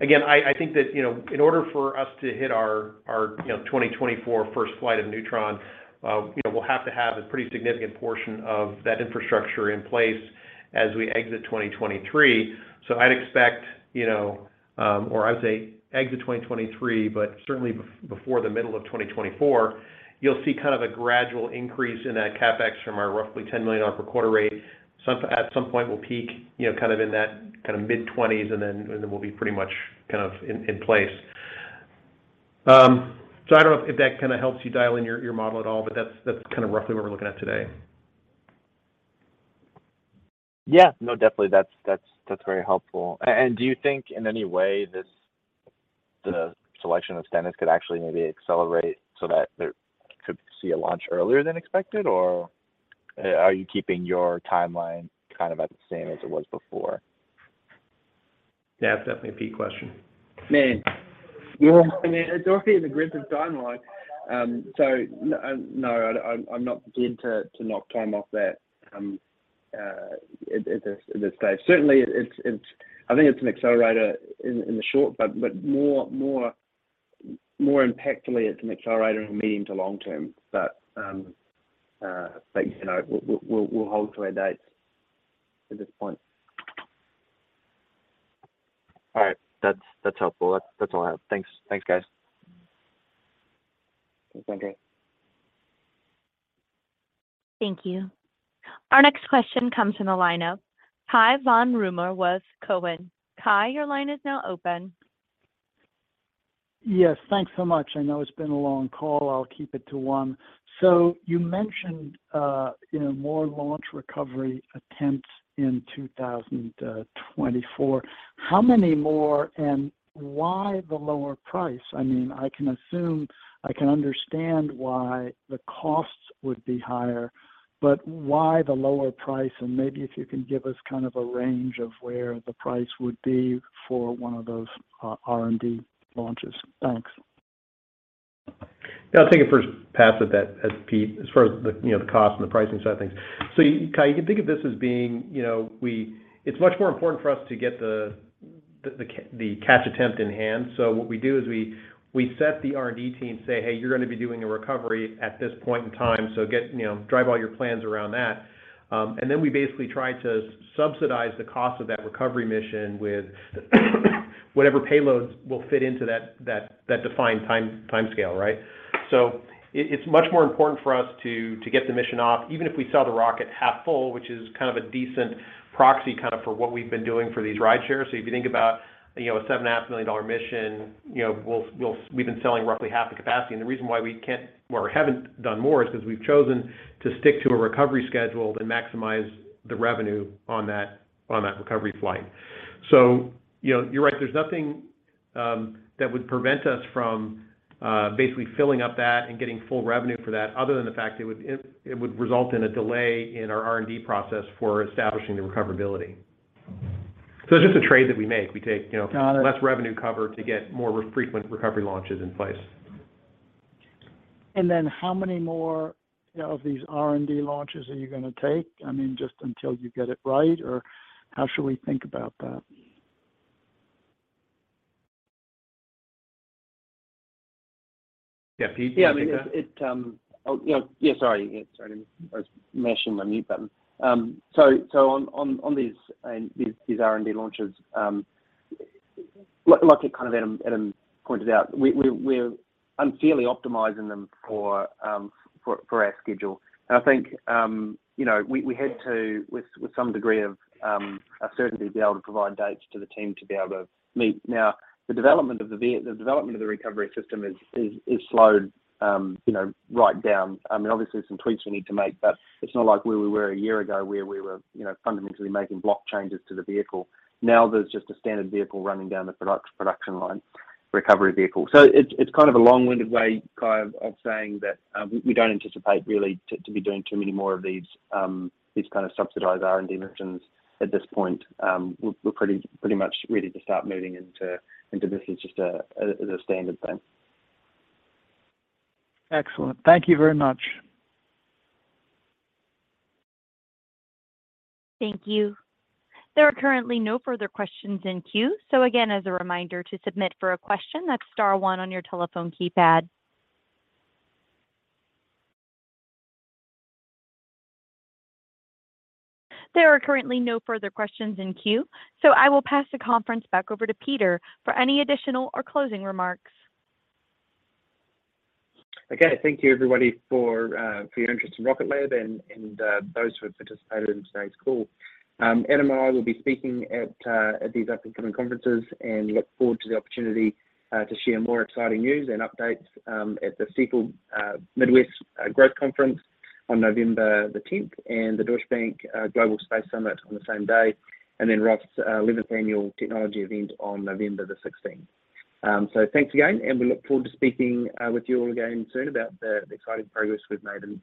Again, I think that, you know, in order for us to hit our, you know, 2024 first flight of Neutron, you know, we'll have to have a pretty significant portion of that infrastructure in place as we exit 2023. I'd expect, you know, or I would say exit 2023, but certainly before the middle of 2024, you'll see kind of a gradual increase in that CapEx from our roughly $10 million per quarter rate. At some point we'll peak, you know, kind of in that kinda mid-twenties and then we'll be pretty much kind of in place. I don't know if that kinda helps you dial in your model at all, but that's kind of roughly what we're looking at today. Yeah. No, definitely that's very helpful. Do you think in any way this, the selection of standards could actually maybe accelerate so that there could be a launch earlier than expected? Are you keeping your timeline kind of at the same as it was before? Yeah, that's definitely a Pete question. Man, you know what I mean? It's already an aggressive timeline. No, I'm not beginning to knock time off that at this stage. Certainly it's an accelerator in the short, but more impactfully it's an accelerator in medium to long term. You know, we'll hold to our dates at this point. All right. That's helpful. That's all I have. Thanks, guys. Thanks again. Thank you. Our next question comes from the lineup. Cai von Rumohr with Cowen. Cai, your line is now open. Yes. Thanks so much. I know it's been a long call, I'll keep it to one. You mentioned, you know, more launch recovery attempts in 2024. How many more and why the lower price? I mean, I can understand why the costs would be higher, but why the lower price? And maybe if you can give us kind of a range of where the price would be for one of those R&D launches. Thanks. Yeah, I'll take a first pass at that, at Peter, as far as you know, the cost and the pricing side of things. Cai, you can think of this as being, you know, it's much more important for us to get the catch attempt in hand. What we do is we set the R&D team, say, "Hey, you're gonna be doing a recovery at this point in time, so get, you know, drive all your plans around that." Then we basically try to subsidize the cost of that recovery mission with whatever payloads will fit into that defined time scale, right? It's much more important for us to get the mission off, even if we sell the rocket half full, which is kind of a decent proxy kind of for what we've been doing for these ride shares. If you think about, you know, a $7.5 million mission, you know, we've been selling roughly half the capacity. The reason why we can't or haven't done more is 'cause we've chosen to stick to a recovery schedule and maximize the revenue on that recovery flight. You know, you're right, there's nothing that would prevent us from basically filling up that and getting full revenue for that other than the fact it would result in a delay in our R&D process for establishing the recoverability. It's just a trade that we make. We take, you know. Got it. less revenue cover to get more frequent recovery launches in place. How many more of these R&D launches are you gonna take? I mean, just until you get it right, or how should we think about that? Yeah. Pete, do you wanna take that? Yeah, I mean it. Yeah, sorry. Sorry, I was mashing my mute button. So on these R&D launches, like it kind of Adam Spice pointed out, we're unfairly optimizing them for our schedule. I think, you know, we had to, with some degree of a certainty to be able to provide dates to the team to be able to meet. Now, the development of the recovery system is slowed, you know, right down. I mean, obviously some tweaks we need to make, but it's not like where we were a year ago where we were, you know, fundamentally making block changes to the vehicle. Now there's just a standard vehicle running down the production line recovery vehicle. It's kind of a long-winded way, Cai, of saying that we don't anticipate really to be doing too many more of these kind of subsidized R&D missions at this point. We're pretty much ready to start moving into this as just a standard thing. Excellent. Thank you very much. Thank you. There are currently no further questions in queue. Again, as a reminder to submit for a question, that's star one on your telephone keypad. There are currently no further questions in queue, so I will pass the conference back over to Peter for any additional or closing remarks. Okay. Thank you everybody for your interest in Rocket Lab and those who have participated in today's call. Adam and I will be speaking at these upcoming conferences and look forward to the opportunity to share more exciting news and updates at the Stifel Midwest Growth Conference on November 10th and the Deutsche Bank Global Space Summit on the same day. Then Roth 11th Annual Technology Event on November 16th. Thanks again, and we look forward to speaking with you all again soon about the exciting progress we've made in-